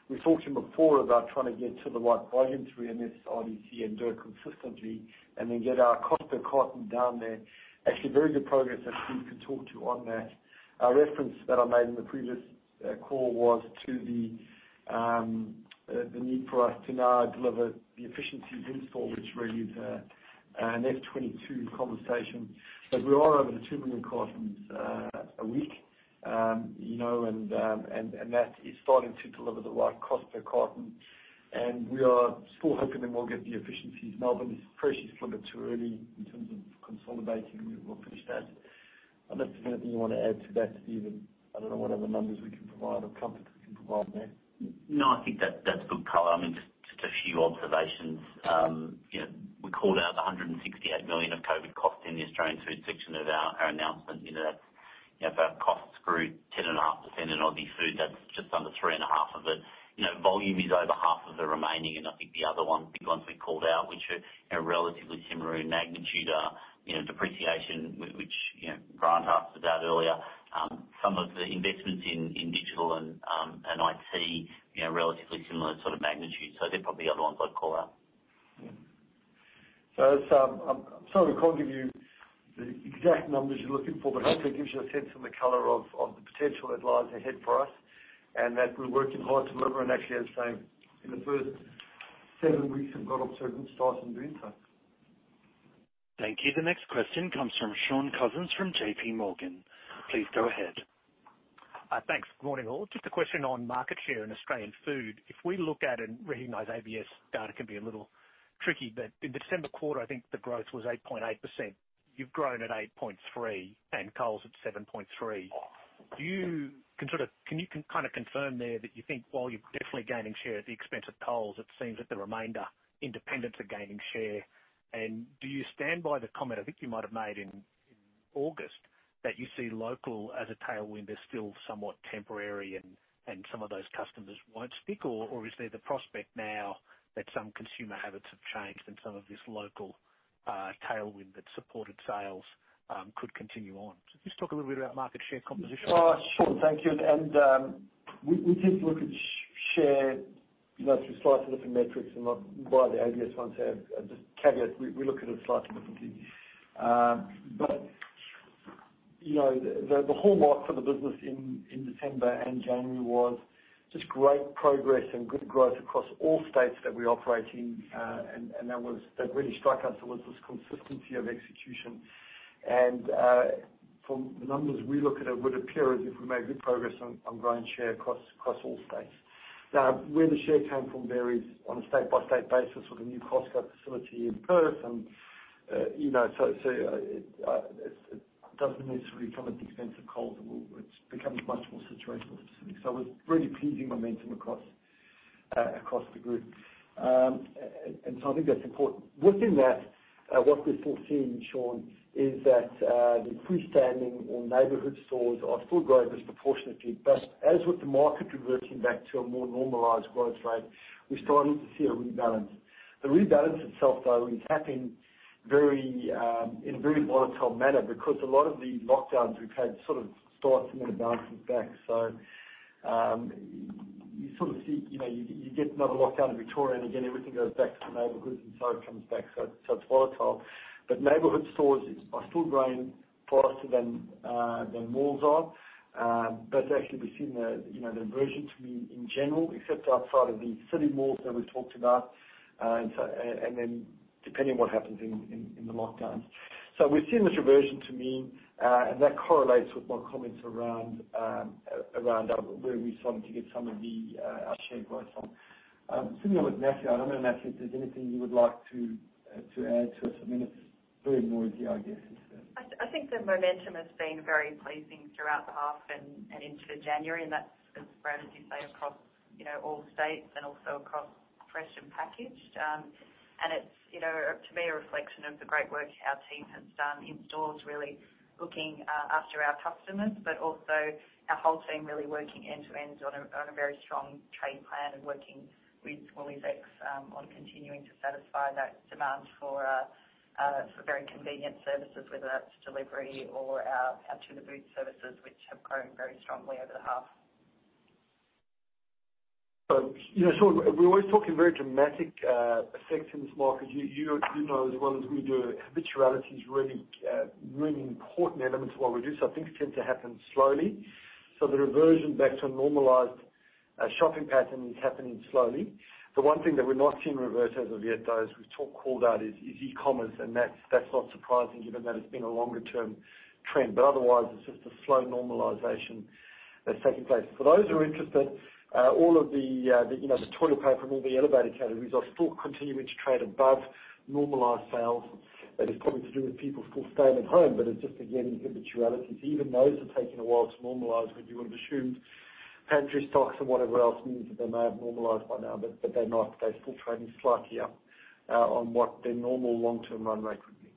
Speaker 2: We talked to you before about trying to get to the right volume through MSRDC and do it consistently, and then get our cost per carton down there. Actually, very good progress that Steve can talk to on that. Our reference that I made in the previous call was to the need for us to now deliver the efficiencies in store, which really is an FY 2022 conversation, but we are over the two million cartons a week. you know, and that is starting to deliver the right cost per carton, and we are still hoping that we'll get the efficiencies. Melbourne is precious for me too early in terms of consolidating. We'll finish that. Unless there's anything you want to add to that, Stephen? I don't know what other numbers we can provide or comfort we can provide there.
Speaker 3: No, I think that's good color. I mean, just a few observations. You know, we called out 168 million of COVID costs in the Australian food section of our announcement. You know, that's, you know, if our costs grew 10.5% in Aussie food, that's just under 3.5 of it. You know, volume is over half of the remaining, and I think the other big ones we called out, which are, you know, relatively similar in magnitude, are, you know, depreciation, which, you know, Grant asked about earlier. Some of the investments in digital and IT, you know, relatively similar sort of magnitude, so they're probably the other ones I'd call out.
Speaker 2: Yeah. So, as I'm sorry we can't give you the exact numbers you're looking for, but hopefully it gives you a sense of the color of the potential that lies ahead for us, and that we're working hard to deliver, and actually I was saying in the first seven weeks have got off to a good start in doing so.
Speaker 1: Thank you. The next question comes from Shaun Cousins from JPMorgan. Please go ahead.
Speaker 6: Thanks. Good morning, all. Just a question on market share in Australian Food. If we look at and recognize ABS data can be a little tricky, but in the December quarter, I think the growth was 8.8%. You've grown at 8.3%, and Coles at 7.3%. Can you kind of confirm there that you think while you're definitely gaining share at the expense of Coles, it seems that the remainder independents are gaining share? And do you stand by the comment, I think you might have made in August, that you see local as a tailwind is still somewhat temporary and some of those customers won't stick? Or is there the prospect now that some consumer habits have changed and some of this local tailwind that supported sales could continue on? Just talk a little bit about market share composition.
Speaker 2: Oh, sure. Thank you. And we did look at share, you know, through slightly different metrics and not via the ABS ones. So just caveat, we look at it slightly differently. But you know, the hallmark for the business in December and January was just great progress and good growth across all states that we operate in. And that was... That really struck us was this consistency of execution. And from the numbers we look at, it would appear as if we made good progress on growing share across all states. Now, where the share came from varies on a state-by-state basis with a new Costco facility in Perth and you know, so it doesn't necessarily come at the expense of Coles, which becomes much more situational specific. So it was really pleasing momentum across the group. And so I think that's important. Within that, what we're still seeing, Sean, is that the freestanding or neighborhood stores are still growing disproportionately. But as with the market reverting back to a more normalized growth rate, we're starting to see a rebalance. The rebalance itself, though, is happening very in a very volatile manner because a lot of the lockdowns we've had sort of start some of the balances back. So you sort of see, you know, you get another lockdown in Victoria, and again, everything goes back to the neighborhoods, and so it comes back. So it's volatile, but neighborhood stores are still growing faster than malls are. But actually, we've seen the, you know, the reversion to mean in general, except outside of the city malls that we talked about. And so, and then depending on what happens in the lockdowns. So we're seeing the reversion to mean, and that correlates with my comments around where we've started to get some of our share growth on. Similar with Natalie. I don't know, Natalie, if there's anything you would like to add to it. I mean, it's very noisy, I guess, it's the- I think the momentum has been very pleasing throughout the half and into January, and that's spread, as you say, across, you know, all states and also across fresh and packaged. And it's, you know, to me, a reflection of the great work our team has done in stores, really looking after our customers, but also our whole team really working end to end on a very strong trade plan and working with WooliesX on continuing to satisfy that demand for very convenient services, whether that's delivery or our to the boot services, which have grown very strongly over the half. You know, so we're always talking very dramatic effects in this market. You know as well as we do, habits are really, really important elements of what we do, so things tend to happen slowly. So the reversion back to a normalized shopping pattern is happening slowly. The one thing that we're not seeing reverse as of yet, though, is we've called out is E-commerce, and that's not surprising given that it's been a longer term trend. But otherwise, it's just a slow normalization that's taking place. For those who are interested, all of the, the, you know, the toilet paper and all the essentials categories are still continuing to trade above normalized sales. That is probably to do with people still staying at home, but it's just, again, habits. Even those are taking a while to normalize, where you would have assumed pantry stocks and whatever else means that they may have normalized by now, but, but they're not. They're still trading slightly up, on what their normal long-term run rate would be.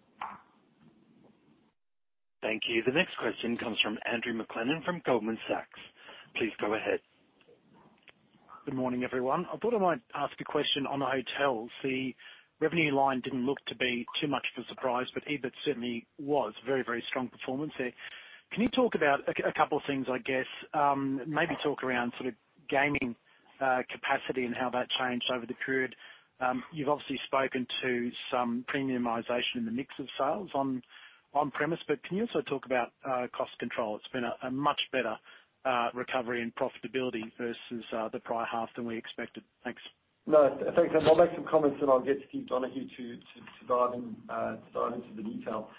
Speaker 1: Thank you. The next question comes from Andrew McLennan, from Goldman Sachs. Please go ahead.
Speaker 7: Good morning, everyone. I thought I might ask a question on the hotels. The revenue line didn't look to be too much of a surprise, but EBIT certainly was very, very strong performance there. Can you talk about a couple of things, I guess? Maybe talk around sort of gaming capacity and how that changed over the period. You've obviously spoken to some premiumization in the mix of sales on premise, but can you also talk about cost control? It's been a much better recovery in profitability versus the prior half than we expected. Thanks so much....
Speaker 2: No, thanks, and I'll make some comments, then I'll get to Steve Donohue to dive into the detail.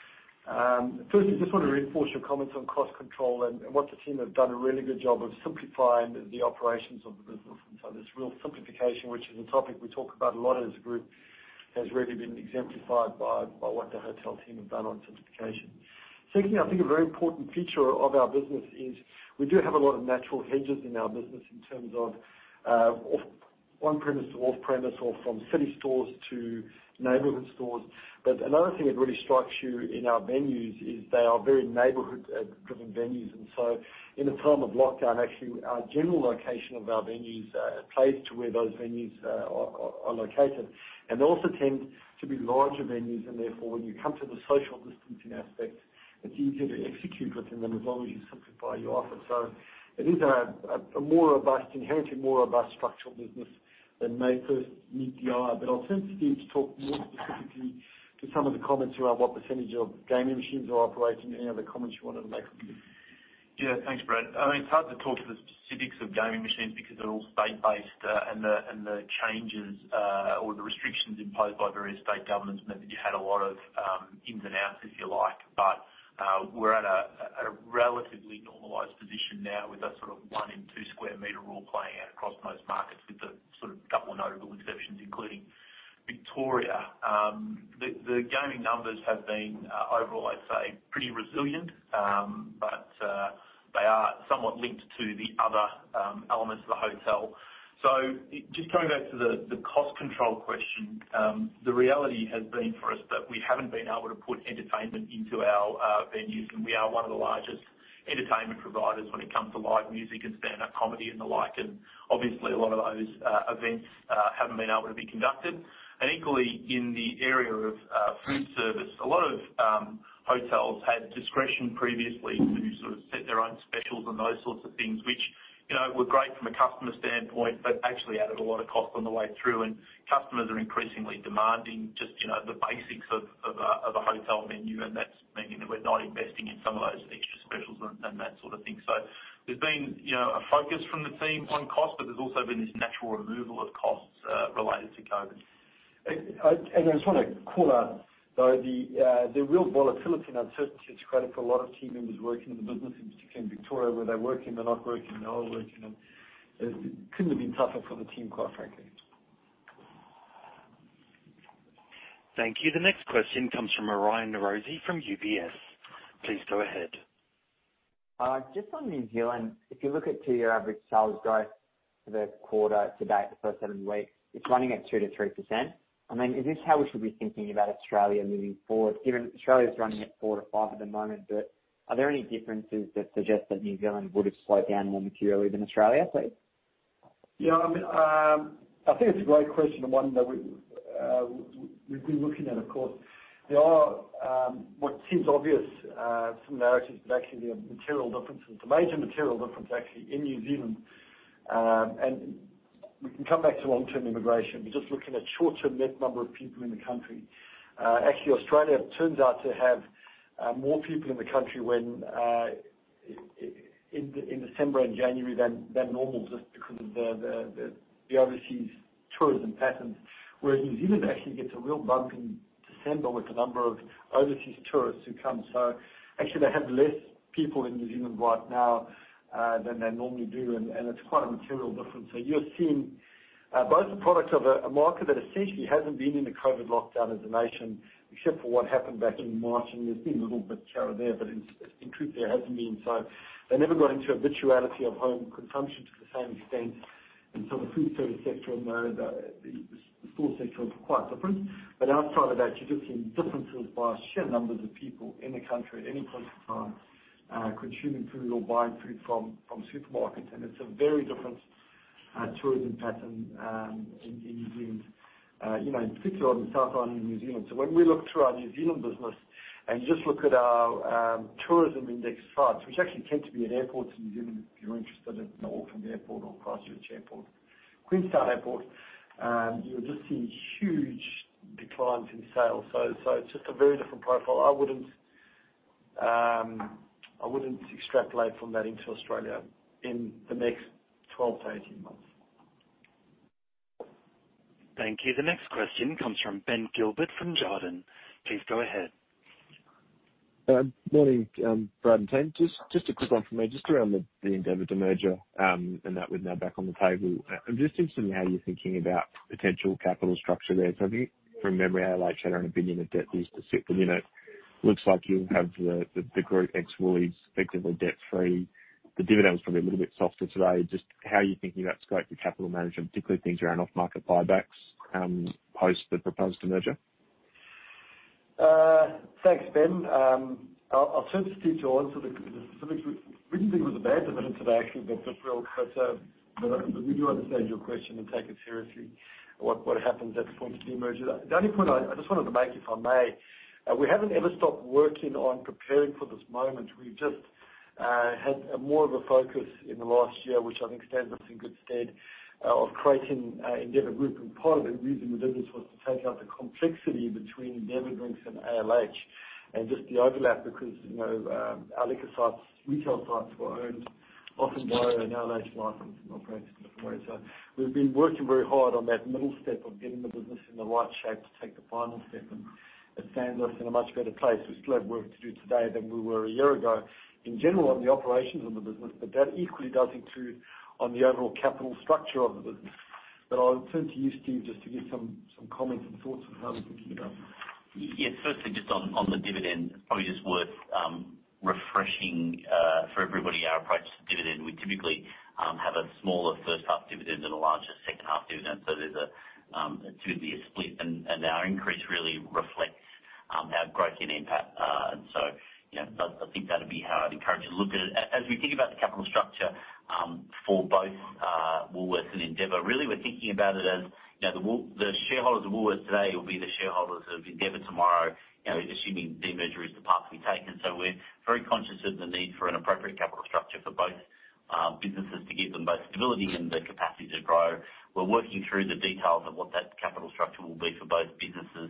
Speaker 2: Firstly, I just want to reinforce your comments on cost control and what the team have done a really good job of simplifying the operations of the business. And so there's real simplification, which is a topic we talk about a lot as a group, has really been exemplified by what the hotel team have done on simplification. Secondly, I think a very important feature of our business is we do have a lot of natural hedges in our business in terms of off- on-premise to off-premise or from city stores to neighborhood stores. But another thing that really strikes you in our venues is they are very neighborhood driven venues, and so in a time of lockdown, actually, our general location of our venues plays to where those venues are located. And they also tend to be larger venues, and therefore, when you come to the social distancing aspect, it's easier to execute within them as long as you simplify your offer. So it is a more robust, inherently more robust structural business than may first meet the eye. But I'll turn to Steve to talk more specifically to some of the comments around what percentage of gaming machines are operating. Any other comments you want to make? Yeah, thanks, Brad. I mean, it's hard to talk to the specifics of gaming machines because they're all state-based, and the changes or the restrictions imposed by various state governments meant that you had a lot of ins and outs, if you like. But we're at a relatively normalized position now, with a sort of one in two square meter rule playing out across most markets, with the sort of couple of notable exceptions, including Victoria. The gaming numbers have been overall, I'd say, pretty resilient. But they are somewhat linked to the other elements of the hotel.
Speaker 8: So just coming back to the cost control question. The reality has been for us that we haven't been able to put entertainment into our venues, and we are one of the largest entertainment providers when it comes to live music and stand-up comedy and the like. And obviously, a lot of those events haven't been able to be conducted. And equally, in the area of food service, a lot of hotels had discretion previously to sort of set their own specials and those sorts of things, which, you know, were great from a customer standpoint, but actually added a lot of cost on the way through. And customers are increasingly demanding just, you know, the basics of a hotel menu, and that's meaning that we're not investing in some of those feature specials and that sort of thing. So there's been, you know, a focus from the team on cost, but there's also been this natural removal of costs related to COVID.
Speaker 2: And I just want to call out, though, the real volatility and uncertainty. It's credit for a lot of team members working in the business, in particular in Victoria, where they're working, they're not working, they are working, and it couldn't have been tougher for the team, quite frankly.
Speaker 1: Thank you. The next question comes from Aryan Norozi from UBS. Please go ahead. Just on New Zealand, if you look at two-year average sales growth for the quarter to date, the first seven weeks, it's running at 2%-3%. I mean, is this how we should be thinking about Australia moving forward, given Australia's running at 4%-5% at the moment, but are there any differences that suggest that New Zealand would have slowed down more materially than Australia, please?
Speaker 2: Yeah, I mean, I think it's a great question, and one that we've been looking at, of course. There are what seems obvious, some narratives, but actually, there are material differences. The major material difference, actually, in New Zealand, and we can come back to long-term immigration. We're just looking at short-term net number of people in the country. Actually, Australia turns out to have more people in the country when in December and January than normal, just because of the overseas tourism patterns. Whereas New Zealand actually gets a real bump in December with the number of overseas tourists who come. So actually, they have less people in New Zealand right now than they normally do, and it's quite a material difference. So you're seeing both the products of a market that essentially hasn't been in a COVID lockdown as a nation, except for what happened back in March, and there's been a little bit of carry there, but in truth, there hasn't been. So they never got into a reality of home consumption to the same extent, and so the food service sector and the store sector are quite different. But outside of that, you're just seeing differences by sheer numbers of people in the country at any point in time, consuming food or buying food from supermarkets, and it's a very different tourism pattern, in New Zealand, you know, in particular the South Island of New Zealand. So when we look through our New Zealand business, and you just look at our tourism index funds, which actually tend to be at airports in New Zealand, if you're interested in Auckland Airport or Christchurch Airport, Queenstown Airport, you'll just see huge declines in sales. So it's just a very different profile. I wouldn't extrapolate from that into Australia in the next twelve to eighteen months.
Speaker 1: Thank you. The next question comes from Ben Gilbert from Jarden. Please go ahead.
Speaker 9: Morning, Brad and team. Just a quick one from me, just around the Endeavour demerger, and that we're now back on the table. I'm just interested in how you're thinking about potential capital structure there. So I think from memory, I had a net debt to EBITDA sort of view on the unit. Looks like you have the group ex-Woolies effectively debt-free. The dividend was probably a little bit softer today. Just how are you thinking about scope for capital management, particularly things around off-market buybacks, post the proposed demerger?
Speaker 2: Thanks, Ben. I'll turn to Steve to answer the specifics. We didn't think it was a bad dividend today, actually, but just real. But we do understand your question and take it seriously, what happens at the point of the demerger. The only point I just wanted to make, if I may, we haven't ever stopped working on preparing for this moment. We just had more of a focus in the last year, which I think stands us in good stead, of creating Endeavour Group. And part of the reason we did this was to take out the complexity between Endeavour Drinks and ALH, and just the overlap, because, you know, our liquor sites, retail sites were owned often by an ALH license and operated in a different way. So we've been working very hard on that middle step of getting the business in the right shape to take the final step, and it stands us in a much better place. We still have work to do today than we were a year ago, in general, on the operations of the business, but that equally does include on the overall capital structure of the business. But I'll turn to you, Steve, just to give some comments and thoughts on how we're thinking about it.
Speaker 3: Yes, firstly, just on the dividend, probably just worth refreshing for everybody our approach to dividend. We typically have a smaller first half dividend than a larger second half dividend. So there's typically a split, and our increase really reflects our growth in impact. And so, you know, I think that'd be how I'd encourage you to look at it. As we think about the capital structure for both Woolworths and Endeavour, really, we're thinking about it as, you know, the shareholders of Woolworths today will be the shareholders of Endeavour tomorrow, you know, assuming demerger is the path we take. And so we're very conscious of the need for an appropriate capital structure for both businesses to give them both stability and the capacity to grow. We're working through the details of what that capital structure will be for both businesses,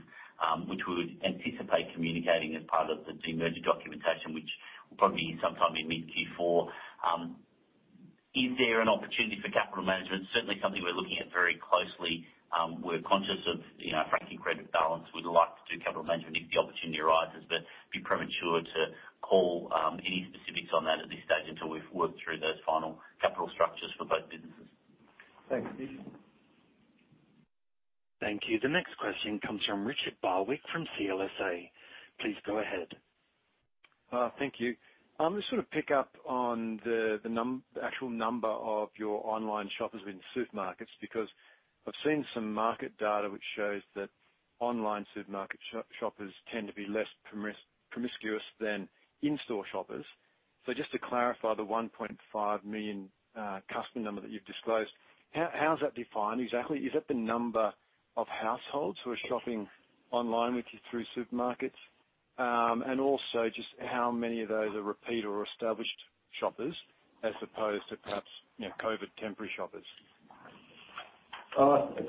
Speaker 3: which we would anticipate communicating as part of the demerger documentation, which will probably be sometime in mid Q4. Is there an opportunity for capital management? Certainly something we're looking at very closely. We're conscious of, you know, franking credit balance. We'd like to do capital management if the opportunity arises, but it'd be premature to call any specifics on that at this stage until we've worked through those final capital structures for both businesses.
Speaker 9: Thanks, Steve.
Speaker 1: Thank you. The next question comes from Richard Barwick from CLSA. Please go ahead.
Speaker 10: Thank you. I'm gonna sort of pick up on the actual number of your online shoppers in supermarkets, because I've seen some market data which shows that online supermarket shoppers tend to be less promiscuous than in-store shoppers, so just to clarify the one point five million customer number that you've disclosed, how is that defined exactly? Is that the number of households who are shopping online with you through supermarkets, and also, just how many of those are repeat or established shoppers as opposed to perhaps, you know, COVID temporary shoppers?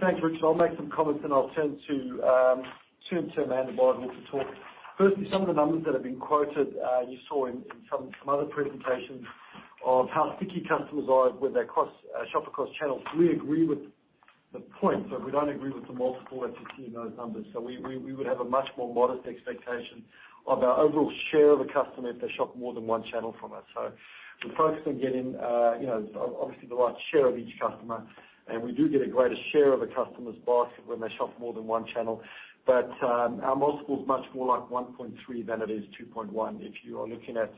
Speaker 2: Thanks, Richard. I'll make some comments, and I'll turn to Amanda Bardwell to talk. Firstly, some of the numbers that have been quoted, you saw in some other presentations of how sticky customers are when they cross shop across channels. We agree with the point, but we don't agree with the multiple that's in those numbers. We would have a much more modest expectation of our overall share of a customer if they shop more than one channel from us. We're focused on getting, you know, obviously the right share of each customer, and we do get a greater share of a customer's basket when they shop more than one channel. But our multiple's much more like one point three than it is two point one, if you are looking at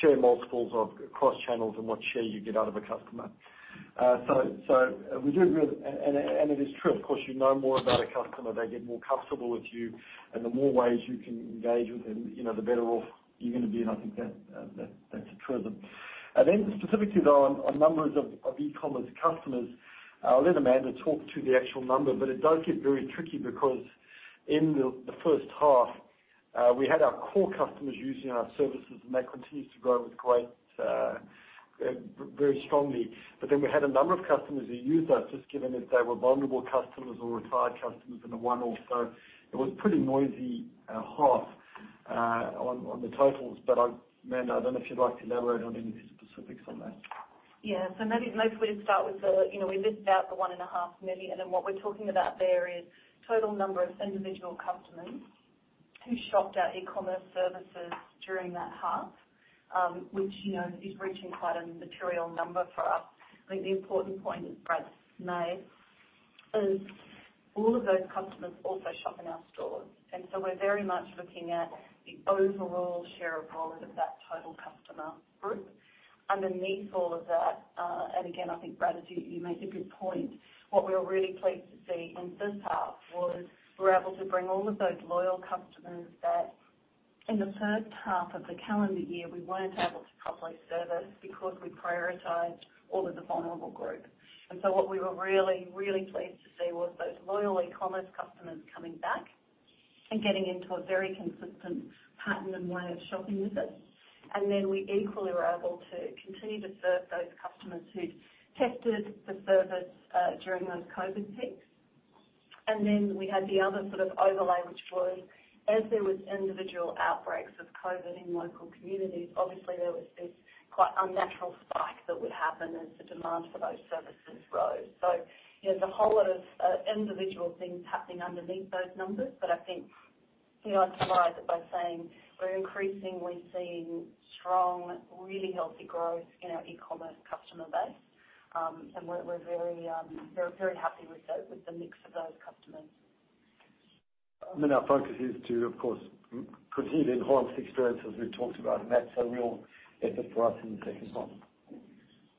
Speaker 2: share multiples of cross channels and what share you get out of a customer. So we do agree, and it is true. Of course, you know more about a customer, they get more comfortable with you, and the more ways you can engage with them, you know, the better off you're gonna be, and I think that that's a truism. And then specifically, though, on numbers of E-commerce customers, I'll let Amanda talk to the actual number, but it does get very tricky because in the first half, we had our core customers using our services, and that continues to grow very strongly. But then we had a number of customers who used us just given that they were vulnerable customers or retired customers in the one-off, so it was a pretty noisy half on the totals. But I... Amanda, I don't know if you'd like to elaborate on any of the specifics on that.
Speaker 11: Yeah, so maybe, maybe we'll start with the, you know, we missed about the one and a half million, and what we're talking about there is total number of individual customers who shopped our E-commerce services during that half, which, you know, is reaching quite a material number for us. I think the important point that Brad's made is all of those customers also shop in our stores, and so we're very much looking at the overall share of wallet of that total customer group. Underneath all of that, and again, I think, Brad, you, you make a good point. What we were really pleased to see in the first half was we're able to bring all of those loyal customers back in the first half of the calendar year we weren't able to properly service because we prioritized all of the vulnerable group. And so what we were really, really pleased to see was those loyal E-commerce customers coming back and getting into a very consistent pattern and way of shopping with us. And then we equally were able to continue to serve those customers who'd tested the service during those COVID peaks. And then we had the other sort of overlay, which was as there was individual outbreaks of COVID in local communities, obviously there was this quite unnatural spike that would happen as the demand for those services rose. So there's a whole lot of individual things happening underneath those numbers, but I think, you know, I'd summarize it by saying we're increasingly seeing strong, really healthy growth in our E-commerce customer base. And we're very, very, very happy with the mix of those customers.
Speaker 2: I mean, our focus is to, of course, continue to enhance the experience, as we've talked about, and that's a real effort for us in the second half.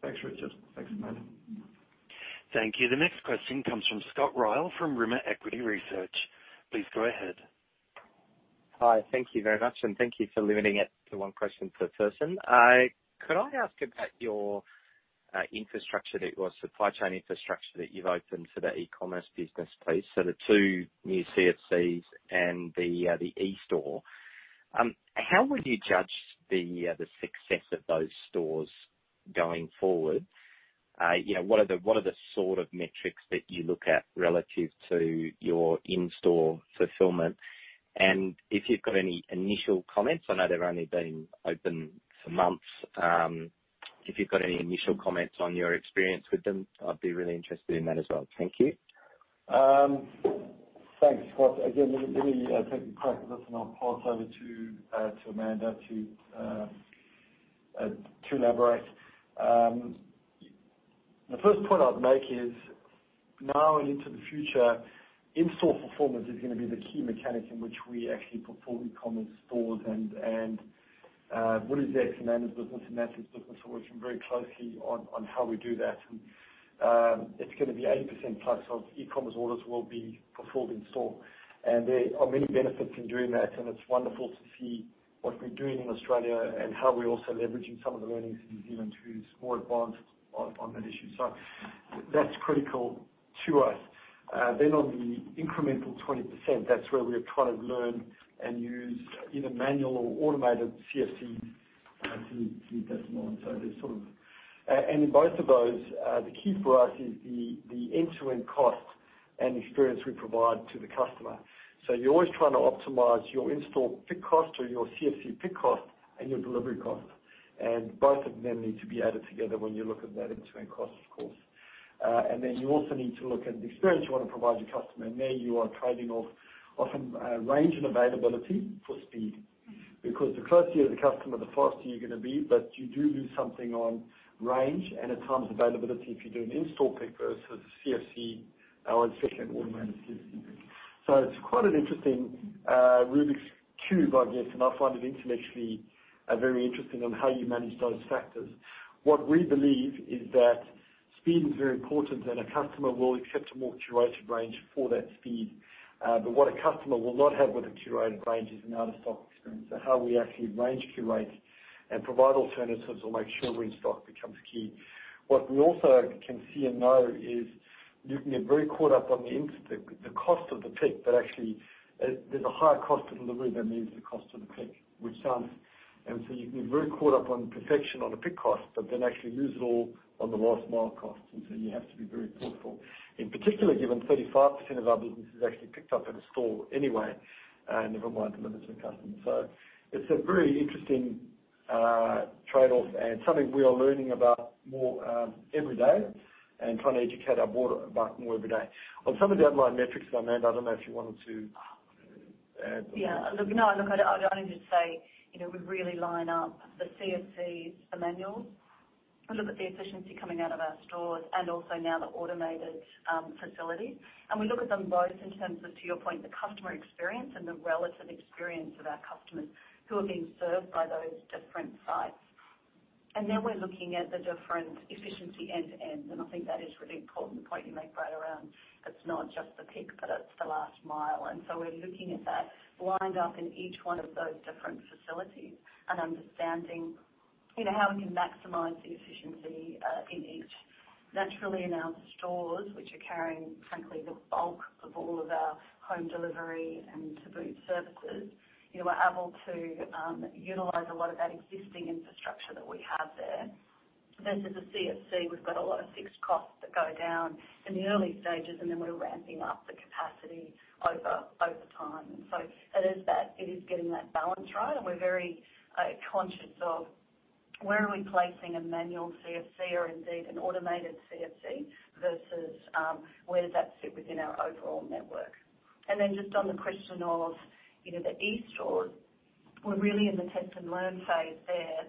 Speaker 2: Thanks, Richard. Thanks, Amanda.
Speaker 1: Thank you. The next question comes from Scott Ryall, from Rimor Equity Research. Please go ahead.
Speaker 12: Hi, thank you very much, and thank you for limiting it to one question per person. Could I ask about your infrastructure or supply chain infrastructure that you've opened for the E-commerce business piece, so the two new CFCs and the eStore. How would you judge the success of those stores going forward? You know, what are the sort of metrics that you look at relative to your in-store fulfillment? And if you've got any initial comments, I know they've only been open for months, if you've got any initial comments on your experience with them, I'd be really interested in that as well. Thank you.
Speaker 2: Thanks, Scott. Again, let me take a crack at this, and I'll pass over to Amanda to elaborate. The first point I'd make is now and into the future, in-store performance is gonna be the key mechanic in which we actually fulfill E-commerce stores, and WooliesX in Amanda's business and Natalie's business are working very closely on how we do that. It's gonna be 80% plus of E-commerce orders will be fulfilled in-store. There are many benefits in doing that, and it's wonderful to see what we're doing in Australia and how we're also leveraging some of the learnings in New Zealand, who's more advanced on that issue. That's critical to us. Then on the incremental 20%, that's where we are trying to learn and use either manual or automated CFC to get that on. So there's and in both of those, the key for us is the end-to-end cost and experience we provide to the customer. So you're always trying to optimize your in-store pick cost or your CFC pick cost and your delivery cost. And both of them need to be added together when you look at that end-to-end cost, of course. And then you also need to look at the experience you want to provide your customer, and there you are trading off, often, range and availability for speed. Because the closer you are to the customer, the faster you're gonna be, but you do lose something on range and at times availability if you're doing in-store pick versus CFC, or second automated CFC pick. So it's quite an interesting Rubik's Cube, I guess, and I find it intellectually very interesting on how you manage those factors. What we believe is that speed is very important, and a customer will accept a more curated range for that speed. But what a customer will not have with a curated range is an out-of-stock experience. So how we actually range curate and provide alternatives or make sure we're in stock becomes key. What we also can see and know is you can get very caught up on the in-pick, the cost of the pick, but actually, there's a higher cost of delivery than there is the cost of the pick, and so you can get very caught up on perfection on the pick cost, but then actually lose it all on the last mile cost, and so you have to be very thoughtful. In particular, given 35% of our business is actually picked up at a store anyway, never mind delivered to the customer. So it's a very interesting trade-off and something we are learning about more every day and trying to educate our board about more every day. On some of the underlying metrics, though, Amanda, I don't know if you wanted to add?
Speaker 11: Yeah. Look, no, look, I'd only just say, you know, we really line up the CFCs, the manuals. We look at the efficiency coming out of our stores and also now the automated facilities. And we look at them both in terms of, to your point, the customer experience and the relative experience of our customers who are being served by those different sites. And then we're looking at the different efficiency end-to-end, and I think that is a really important point you make, Brad, around it's not just the pick, but it's the last mile. And so we're looking at that lined up in each one of those different facilities and understanding, you know, how we can maximize the efficiency in each. Naturally, in our stores, which are carrying, frankly, the bulk of all of our home delivery and to-boot services, you know, we're able to utilize a lot of that existing infrastructure that we have there. Versus a CFC, we've got a lot of fixed costs that go down in the early stages, and then we're ramping up the capacity over time. So it is that, it is getting that balance right, and we're very conscious of where are we placing a manual CFC or indeed an automated CFC versus where does that sit within our overall network? And then just on the question of, you know, the eStore, we're really in the test and learn phase there,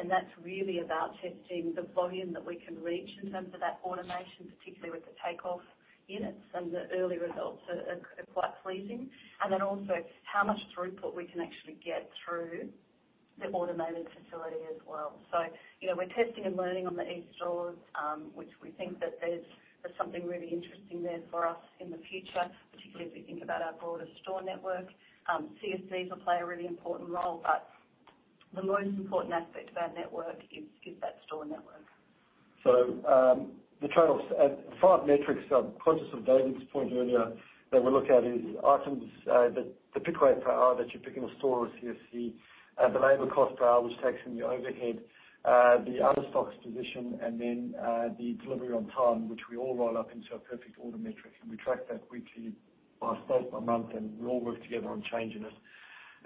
Speaker 11: and that's really about testing the volume that we can reach in terms of that automation, particularly with the Takeoff units, and the early results are quite pleasing. And then also how much throughput we can actually get through the automated facility as well. So, you know, we're testing and learning on the eStores, which we think that there's something really interesting there for us in the future, particularly as we think about our broader store network. CFCs will play a really important role, but the most important aspect of our network is that store network.
Speaker 2: The trade-offs, five metrics I'm conscious of David's point earlier that we look at is items that the pick rate per hour that you pick in a store or CFC, the labor cost per hour which takes in the overhead, the out-of-stocks position, and then the delivery on time which we all roll up into a perfect order metric. We track that weekly or both by month, and we all work together on changing it.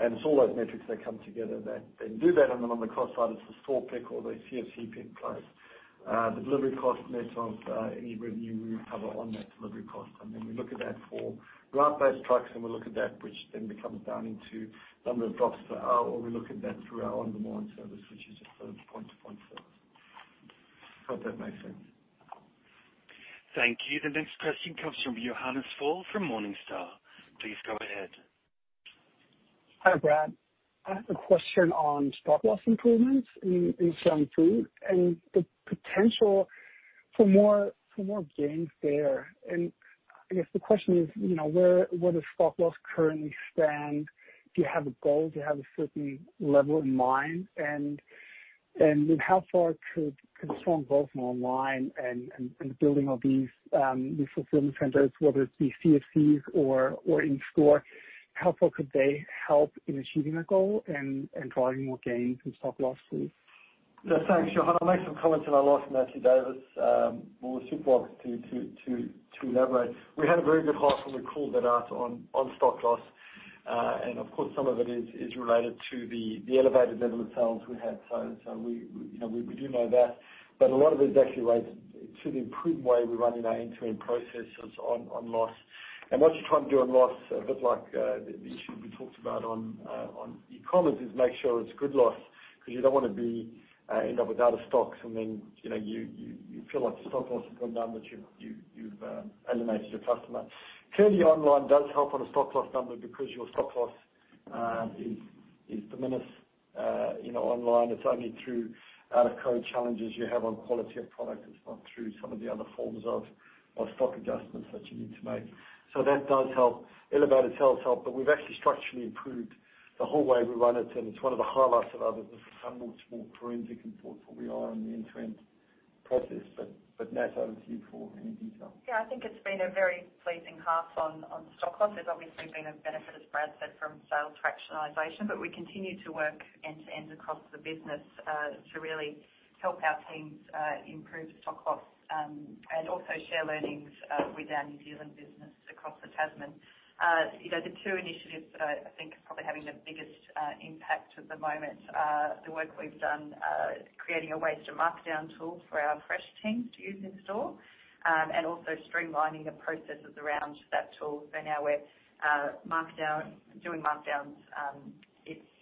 Speaker 2: It's all those metrics that come together that then do that. Then on the cost side, it's the store pick or the CFC pick rate. The delivery cost net of any revenue we recover on that delivery cost. And then we look at that for route-based trucks, and we look at that, which then becomes down into number of drops per hour, or we look at that through our on-demand service, which is a sort of point-to-point service. Hope that makes sense.
Speaker 1: Thank you. The next question comes from Johannes Faul from Morningstar. Please go ahead.
Speaker 13: Hi, Brad. I have a question on stock loss improvements in selling food and the potential for more gains there. I guess the question is, you know, where does stock loss currently stand? Do you have a goal? Do you have a certain level in mind? And how far could strong growth in online and the building of these fulfillment centers, whether it be CFCs or in store, help in achieving that goal and driving more gains in stock loss please?
Speaker 2: Yeah, thanks, Shahan. I'll make some comments, and I'll ask Natalie Davis. It'll be super obvious to elaborate. We had a very good half, and we called that out on stock loss. And of course, some of it is related to the elevated level of sales we had. So we, you know, we do know that, but a lot of it is actually related to the improved way we're running our end-to-end processes on loss. And what you're trying to do on loss, a bit like the issue we talked about on E-commerce, is make sure it's good loss, because you don't want to end up with out of stocks, and then, you know, you feel like the stock loss has gone down, but you've alienated your customer. Clearly, online does help on a stock loss number because your stock loss is diminished. You know, online, it's only through out of code challenges you have on quality of product. It's not through some of the other forms of stock adjustments that you need to make. So that does help. Elevated sales help, but we've actually structurally improved the whole way we run it, and it's one of the highlights of ours is how much more forensic and thoughtful we are in the end-to-end process. But, Matt, over to you for any detail.
Speaker 14: Yeah, I think it's been a very pleasing half on stock loss. There's obviously been a benefit, as Brad said, from sales fractionization, but we continue to work end-to-end across the business to really help our teams improve stock loss and also share learnings with our New Zealand business across the Tasman. You know, the two initiatives that I think are probably having the biggest impact at the moment are the work we've done creating a waste and markdown tool for our fresh team to use in store and also streamlining the processes around that tool. So now we're doing markdowns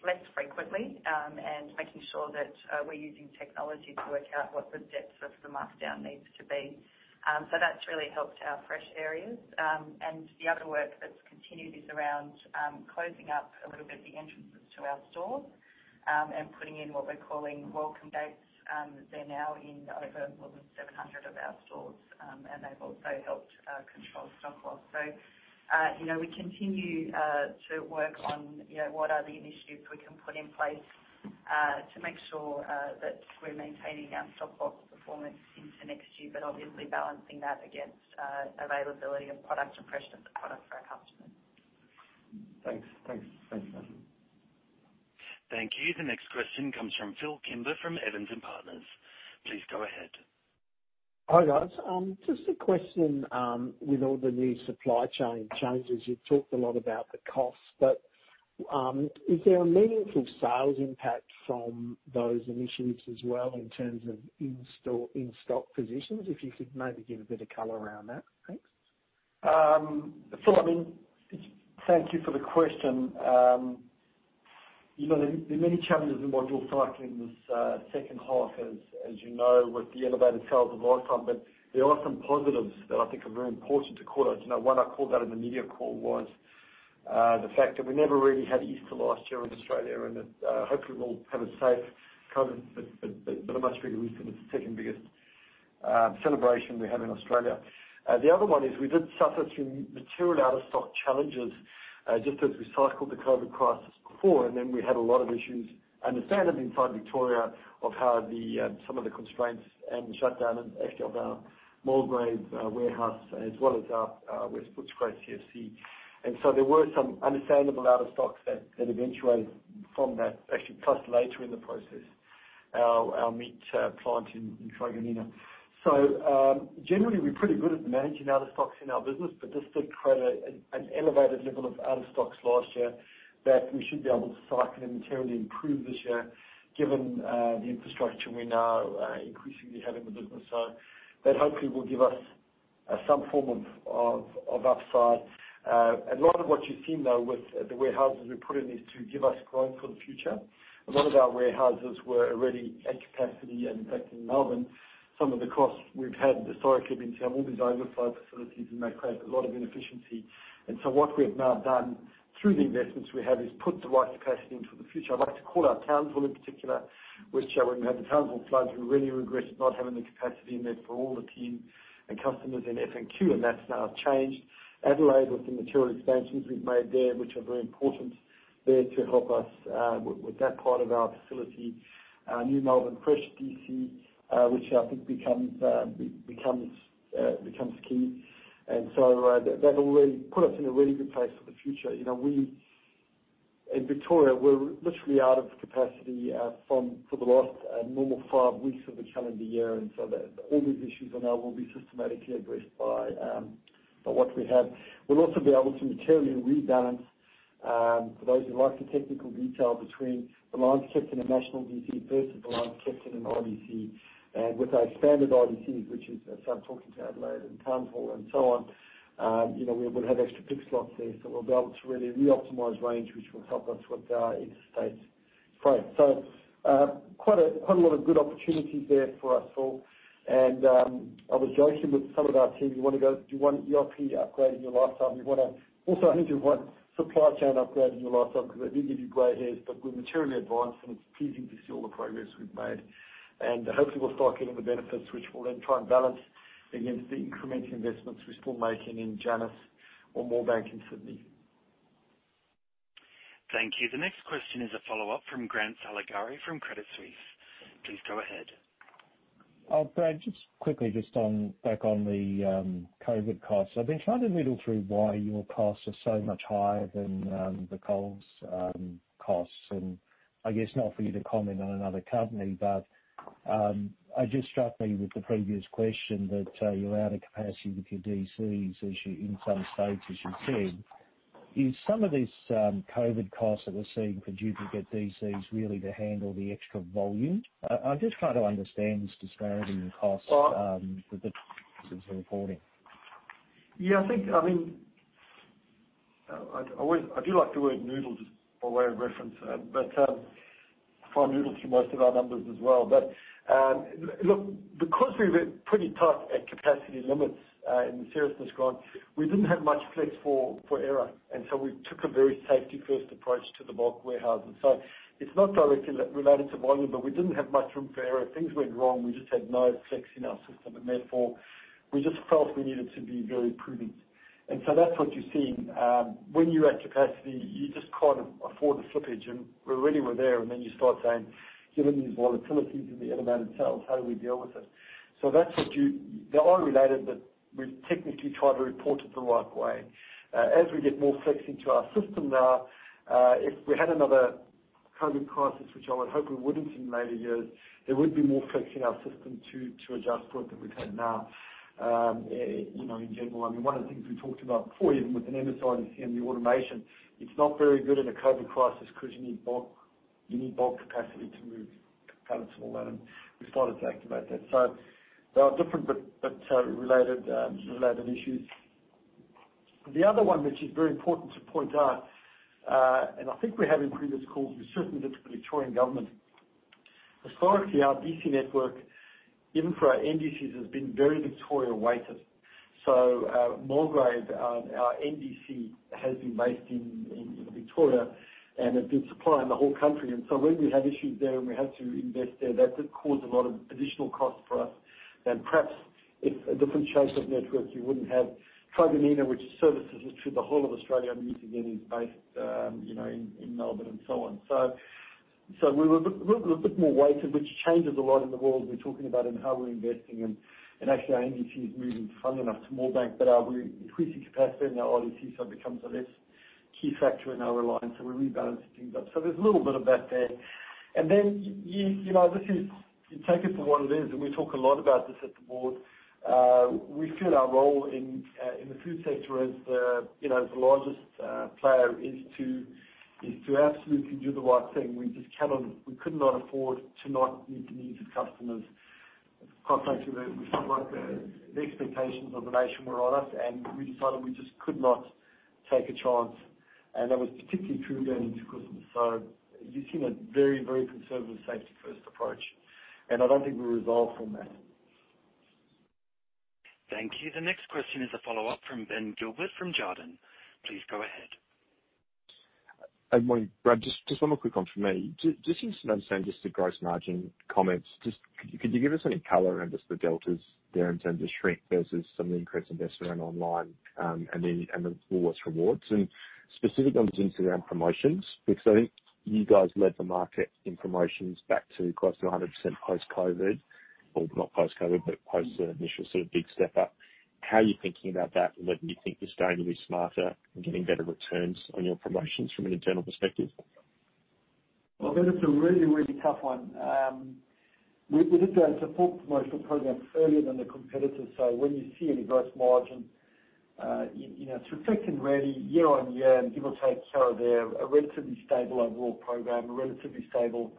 Speaker 14: less frequently and making sure that we're using technology to work out what the depth of the markdown needs to be. So that's really helped our fresh areas. The other work that's continued is around closing up a little bit the entrances to our stores and putting in what we're calling welcome gates. They're now in over more than 700 of our stores, and they've also helped control stock loss. You know, we continue to work on, you know, what are the initiatives we can put in place to make sure that we're maintaining our stock loss performance into next year, but obviously balancing that against availability of product and freshness of product for our customers.
Speaker 2: Thanks, Natalie.
Speaker 1: Thank you. The next question comes from Phil Kimber, from Evans and Partners. Please go ahead.
Speaker 15: Hi, guys. Just a question, with all the new supply chain changes, you've talked a lot about the costs, but, is there a meaningful sales impact from those initiatives as well in terms of in-store, in-stock positions? If you could maybe give a bit of color around that. Thanks.
Speaker 2: Phil, I mean, thank you for the question. You know, there are many challenges in volume cycling this second half, as you know, with the elevated sales of last time. But there are some positives that I think are very important to call out. You know, one I called out in the media call was the fact that we never really had Easter last year in Australia, and that hopefully we'll have a safe COVID, but a much bigger Easter. It's the second biggest celebration we have in Australia. The other one is we did suffer some material out-of-stock challenges just as we cycled the Covid crisis before, and then we had a lot of issues understandably inside Victoria of how some of the constraints and the shutdown actually of our Mulgrave warehouse, as well as our West Footscray CFC, and so there were some understandable out of stocks that eventuated from that actually plus later in the process, our meat plant in Truganina, so generally, we're pretty good at managing out of stocks in our business, but this did create an elevated level of out of stocks last year that we should be able to cycle and materially improve this year, given the infrastructure we now increasingly have in the business, so that hopefully will give us some form of upside. A lot of what you've seen, though, with the warehouses we've put in is to give us growth for the future. A lot of our warehouses were already at capacity and back in Melbourne. Some of the costs we've had historically been to have all these overflow facilities, and that created a lot of inefficiency. And so what we've now done through the investments we have, is put the right capacity into the future. I'd like to call out Townsville in particular, which, when we had the Townsville floods, we really regretted not having the capacity in there for all the team and customers in FNQ, and that's now changed. Adelaide, with the material expansions we've made there, which are very important there to help us, with that part of our facility. Our new Melbourne Fresh DC, which I think becomes key. And so, that already put us in a really good place for the future. You know, we... In Victoria, we're literally out of capacity from for the last normal five weeks of the calendar year, and so that all these issues are now will be systematically addressed by what we have. We'll also be able to materially rebalance for those who like the technical detail between the lines picked in a national DC versus the lines picked in an RDC. And with our standard RDCs, which is, as I'm talking to Adelaide and Townsville and so on, you know, we'll have extra pick slots there, so we'll be able to really reoptimize range, which will help us with our interstate-... Right. Quite a lot of good opportunities there for us, Paul. I was joking with some of our team, you want ERP upgrade in your lifetime, you want to. Also, only do one supply chain upgrade in your lifetime, because they do give you gray hairs, but we're materially advanced, and it's pleasing to see all the progress we've made. Hopefully, we'll start getting the benefits, which we'll then try and balance against the incremental investments we're still making in Jandakot or Moorebank in Sydney.
Speaker 1: Thank you. The next question is a follow-up from Grant Saligari from Credit Suisse. Please go ahead. Brad, just quickly, just on back on the COVID costs. I've been trying to noodle through why your costs are so much higher than the Coles costs. And I guess not for you to comment on another company, but it just struck me with the previous question that you're out of capacity with your DCs as you in some states, as you said. Is some of this COVID costs that we're seeing for duplicate DCs really to handle the extra volume? I'm just trying to understand this disparity in costs that since the reporting.
Speaker 2: Yeah, I think, I mean, I always like the word noodle just by way of reference, but I find noodle through most of our numbers as well. Look, because we were pretty tight at capacity limits, in seriousness, Grant, we didn't have much flex for error, and so we took a very safety-first approach to the bulk warehouses. It's not directly related to volume, but we didn't have much room for error. If things went wrong, we just had no flex in our system, and therefore we just felt we needed to be very prudent. That's what you're seeing. When you're at capacity, you just can't afford the slippage, and we already were there, and then you start saying, given these volatilities in the automated sales, how do we deal with it? That's what you... They are related, but we've technically tried to report it the right way. As we get more flex into our system now, if we had another COVID crisis, which I would hope we wouldn't in later years, there would be more flex in our system to adjust to it than we have now. You know, in general, I mean, one of the things we talked about before, even with Amazon and the automation, it's not very good in a COVID crisis because you need bulk capacity to move pallets and all that, and we started to activate that. So there are different but related issues. The other one, which is very important to point out, and I think we have in previous calls, we certainly did for the Victorian government. Historically, our DC network, even for our NDCs, has been very Victoria-weighted. So, Mulgrave, our NDC has been based in Victoria, and it's been supplying the whole country. And so when we have issues there, and we have to invest there, that did cause a lot of additional cost for us. And perhaps if a different shape of network, you wouldn't have Truganina, which services us through the whole of Australia, and usually it is based, you know, in Melbourne and so on. So we were a bit, little bit more weighted, which changes a lot in the world we're talking about and how we're investing in. And actually, our NDC is moving finally now to Moorebank, but, we're increasing capacity in our RDC, so it becomes a less key factor in our reliance, so we're rebalancing things up. So there's a little bit of that there. And then you, you know, this is. You take it for what it is, and we talk a lot about this at the board. We feel our role in the food sector as the, you know, the largest player, is to absolutely do the right thing. We just cannot, we could not afford to not meet the needs of customers. Quite frankly, we felt like the expectations of the nation were on us, and we decided we just could not take a chance, and that was particularly true going into Christmas. So you've seen a very, very conservative safety-first approach, and I don't think we're resolved from that.
Speaker 1: Thank you. The next question is a follow-up from Ben Gilbert from Jarden. Please go ahead.
Speaker 9: Good morning, Brad. Just one more quick one from me. Just so I understand, just the gross margin comments. Could you give us any color on just the deltas there in terms of shrink versus some of the increased investment around online, and the Woolworths Rewards? And specific on the insights around promotions, because I think you guys led the market in promotions back to close to 100% post-COVID, or not post-COVID, but post the initial sort of big step up. How are you thinking about that? And whether you think you're starting to be smarter and getting better returns on your promotions from an internal perspective?
Speaker 2: Well, Ben, it's a really, really tough one. We, we did go and support promotional programs earlier than the competitors. So when you see any gross margin, you know, it's reflecting really year on year, and give or take, so they're a relatively stable overall program, a relatively stable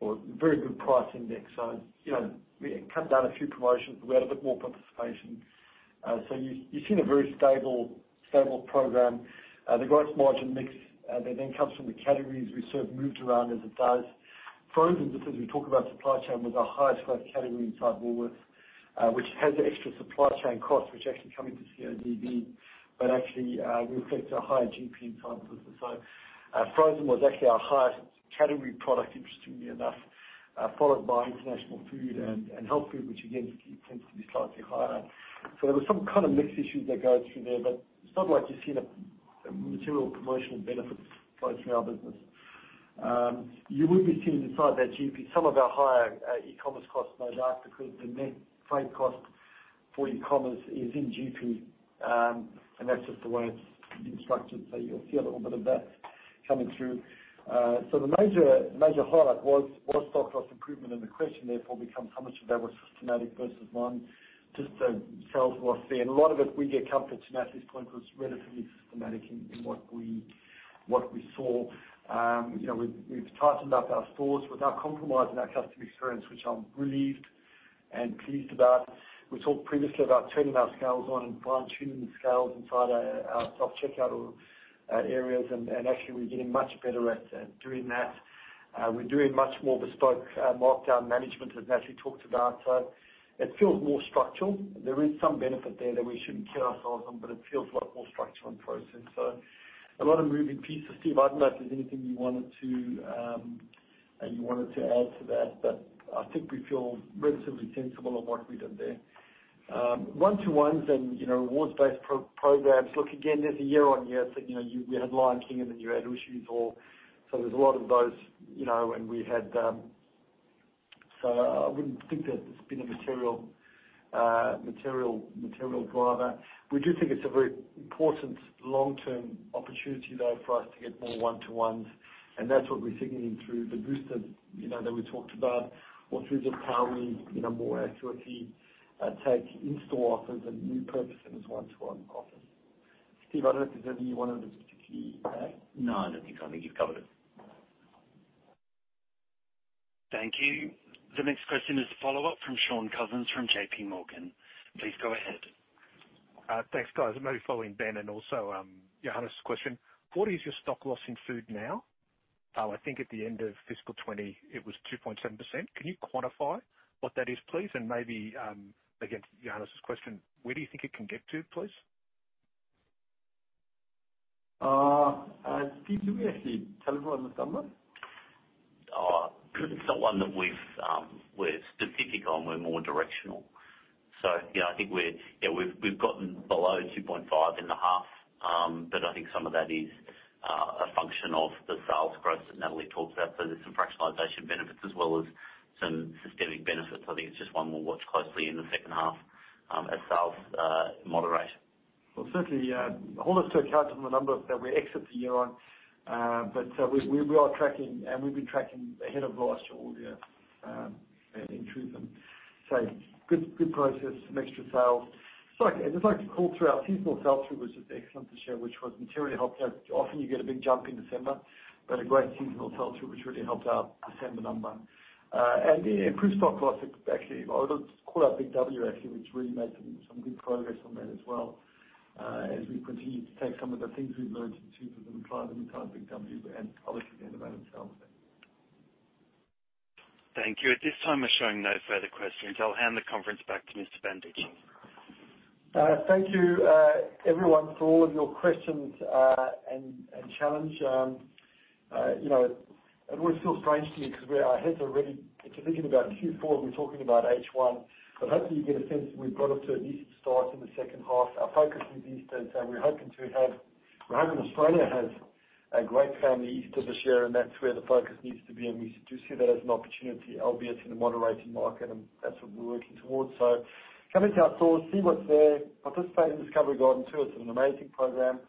Speaker 2: or very good price index. So, you know, we cut down a few promotions. We had a bit more participation. So you, you've seen a very stable, stable program. The gross margin mix, that then comes from the categories we sort of moved around as it does. Frozen, because as we talk about supply chain, was our highest growth category inside Woolworths, which has extra supply chain costs which actually come into CODB, but actually, reflect a higher GP inside business. Frozen was actually our highest category product, interestingly enough, followed by international food and health food, which again, tends to be slightly higher. So there were some kind of mix issues that go through there, but it's not like you're seeing a material promotional benefit flowing through our business. You would be seeing inside that GP some of our higher E-commerce costs, no doubt, because the net freight cost for E-commerce is in GP, and that's just the way it's been structured. So you'll see a little bit of that coming through. The major highlight was stock loss improvement, and the question therefore becomes: how much of that was systematic versus non, just so sales were up there. A lot of it we get comfort to at this point was relatively systematic in what we saw. You know, we've tightened up our stores without compromising our customer experience, which I'm relieved and pleased about. We talked previously about turning our scales on and fine-tuning the scales inside our self-checkout areas, and actually, we're getting much better at doing that. We're doing much more bespoke markdown management, as Natalie talked about. So it feels more structural. There is some benefit there that we shouldn't kill ourselves on, but it feels a lot more structural in process. So a lot of moving pieces. Steve, I don't know if there's anything you wanted to add to that, but I think we feel relatively sensible on what we've done there. One-to-ones and, you know, rewards-based programs, look again, there's a year-on-year. So, you know, we had Lion King, and then you had Ooshies, so there's a lot of those, you know, and we had. So I wouldn't think that it's been a material driver. We do think it's a very important long-term opportunity, though, for us to get more one-to-ones, and that's what we're signaling through the booster, you know, that we talked about or through just how we, you know, more accurately take in-store offers and new purchasers one-to-one offers. Steve, I don't know if there's anyone you wanted to add?
Speaker 9: No, I don't think so. I think you've covered it.
Speaker 1: Thank you. The next question is a follow-up from Shaun Cousins from JPMorgan. Please go ahead.
Speaker 6: Thanks, guys. Maybe following Ben and also Johannes's question, what is your stock loss in food now? I think at the end of fiscal 2020, it was 2.7%. Can you quantify what that is, please? And maybe, again, to Johannes's question, where do you think it can get to, please?
Speaker 2: Steve, do we actually tell everyone the number?
Speaker 3: It's not one that we're specific on. We're more directional. So, yeah, I think we're. Yeah, we've gotten below 2.5 in the half, but I think some of that is a function of the sales growth that Natalie talked about. So there's some fractionalization benefits as well as some systemic benefits. I think it's just one we'll watch closely in the second half, as sales moderate.
Speaker 2: Certainly, hold us to account on the number that we exit the year on. But we are tracking, and we've been tracking ahead of last year, all year, and through them. So good process, some extra sales. So I'd just like to walk through our seasonal sell-through, which is excellent this year, which was materially helped out. Often you get a big jump in December, but a great seasonal sell-through, which really helped our December number. And the improved stock loss. Actually, I would call out Big W, actually, which really made some good progress on that as well, as we continue to take some of the things we've learned in the supermarkets and entire Big W and obviously the amount of sales there.
Speaker 1: Thank you. At this time, we're showing no further questions. I'll hand the conference back to Mr. Banducci.
Speaker 2: Thank you, everyone, for all of your questions, and challenge. You know, it always feels strange to me because our heads are already thinking about Q4, and we're talking about H1, but hopefully, you get a sense that we've got off to a decent start in the second half. Our focus is Easter, and we're hoping Australia has a great family Easter this year, and that's where the focus needs to be, and we do see that as an opportunity, albeit in a moderating market, and that's what we're working towards, so come into our stores, see what's there, participate in Discovery Garden Tours; it's an amazing program,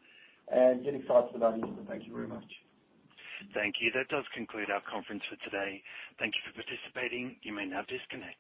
Speaker 2: and get excited about Easter. Thank you very much.
Speaker 1: Thank you. That does conclude our conference for today. Thank you for participating. You may now disconnect.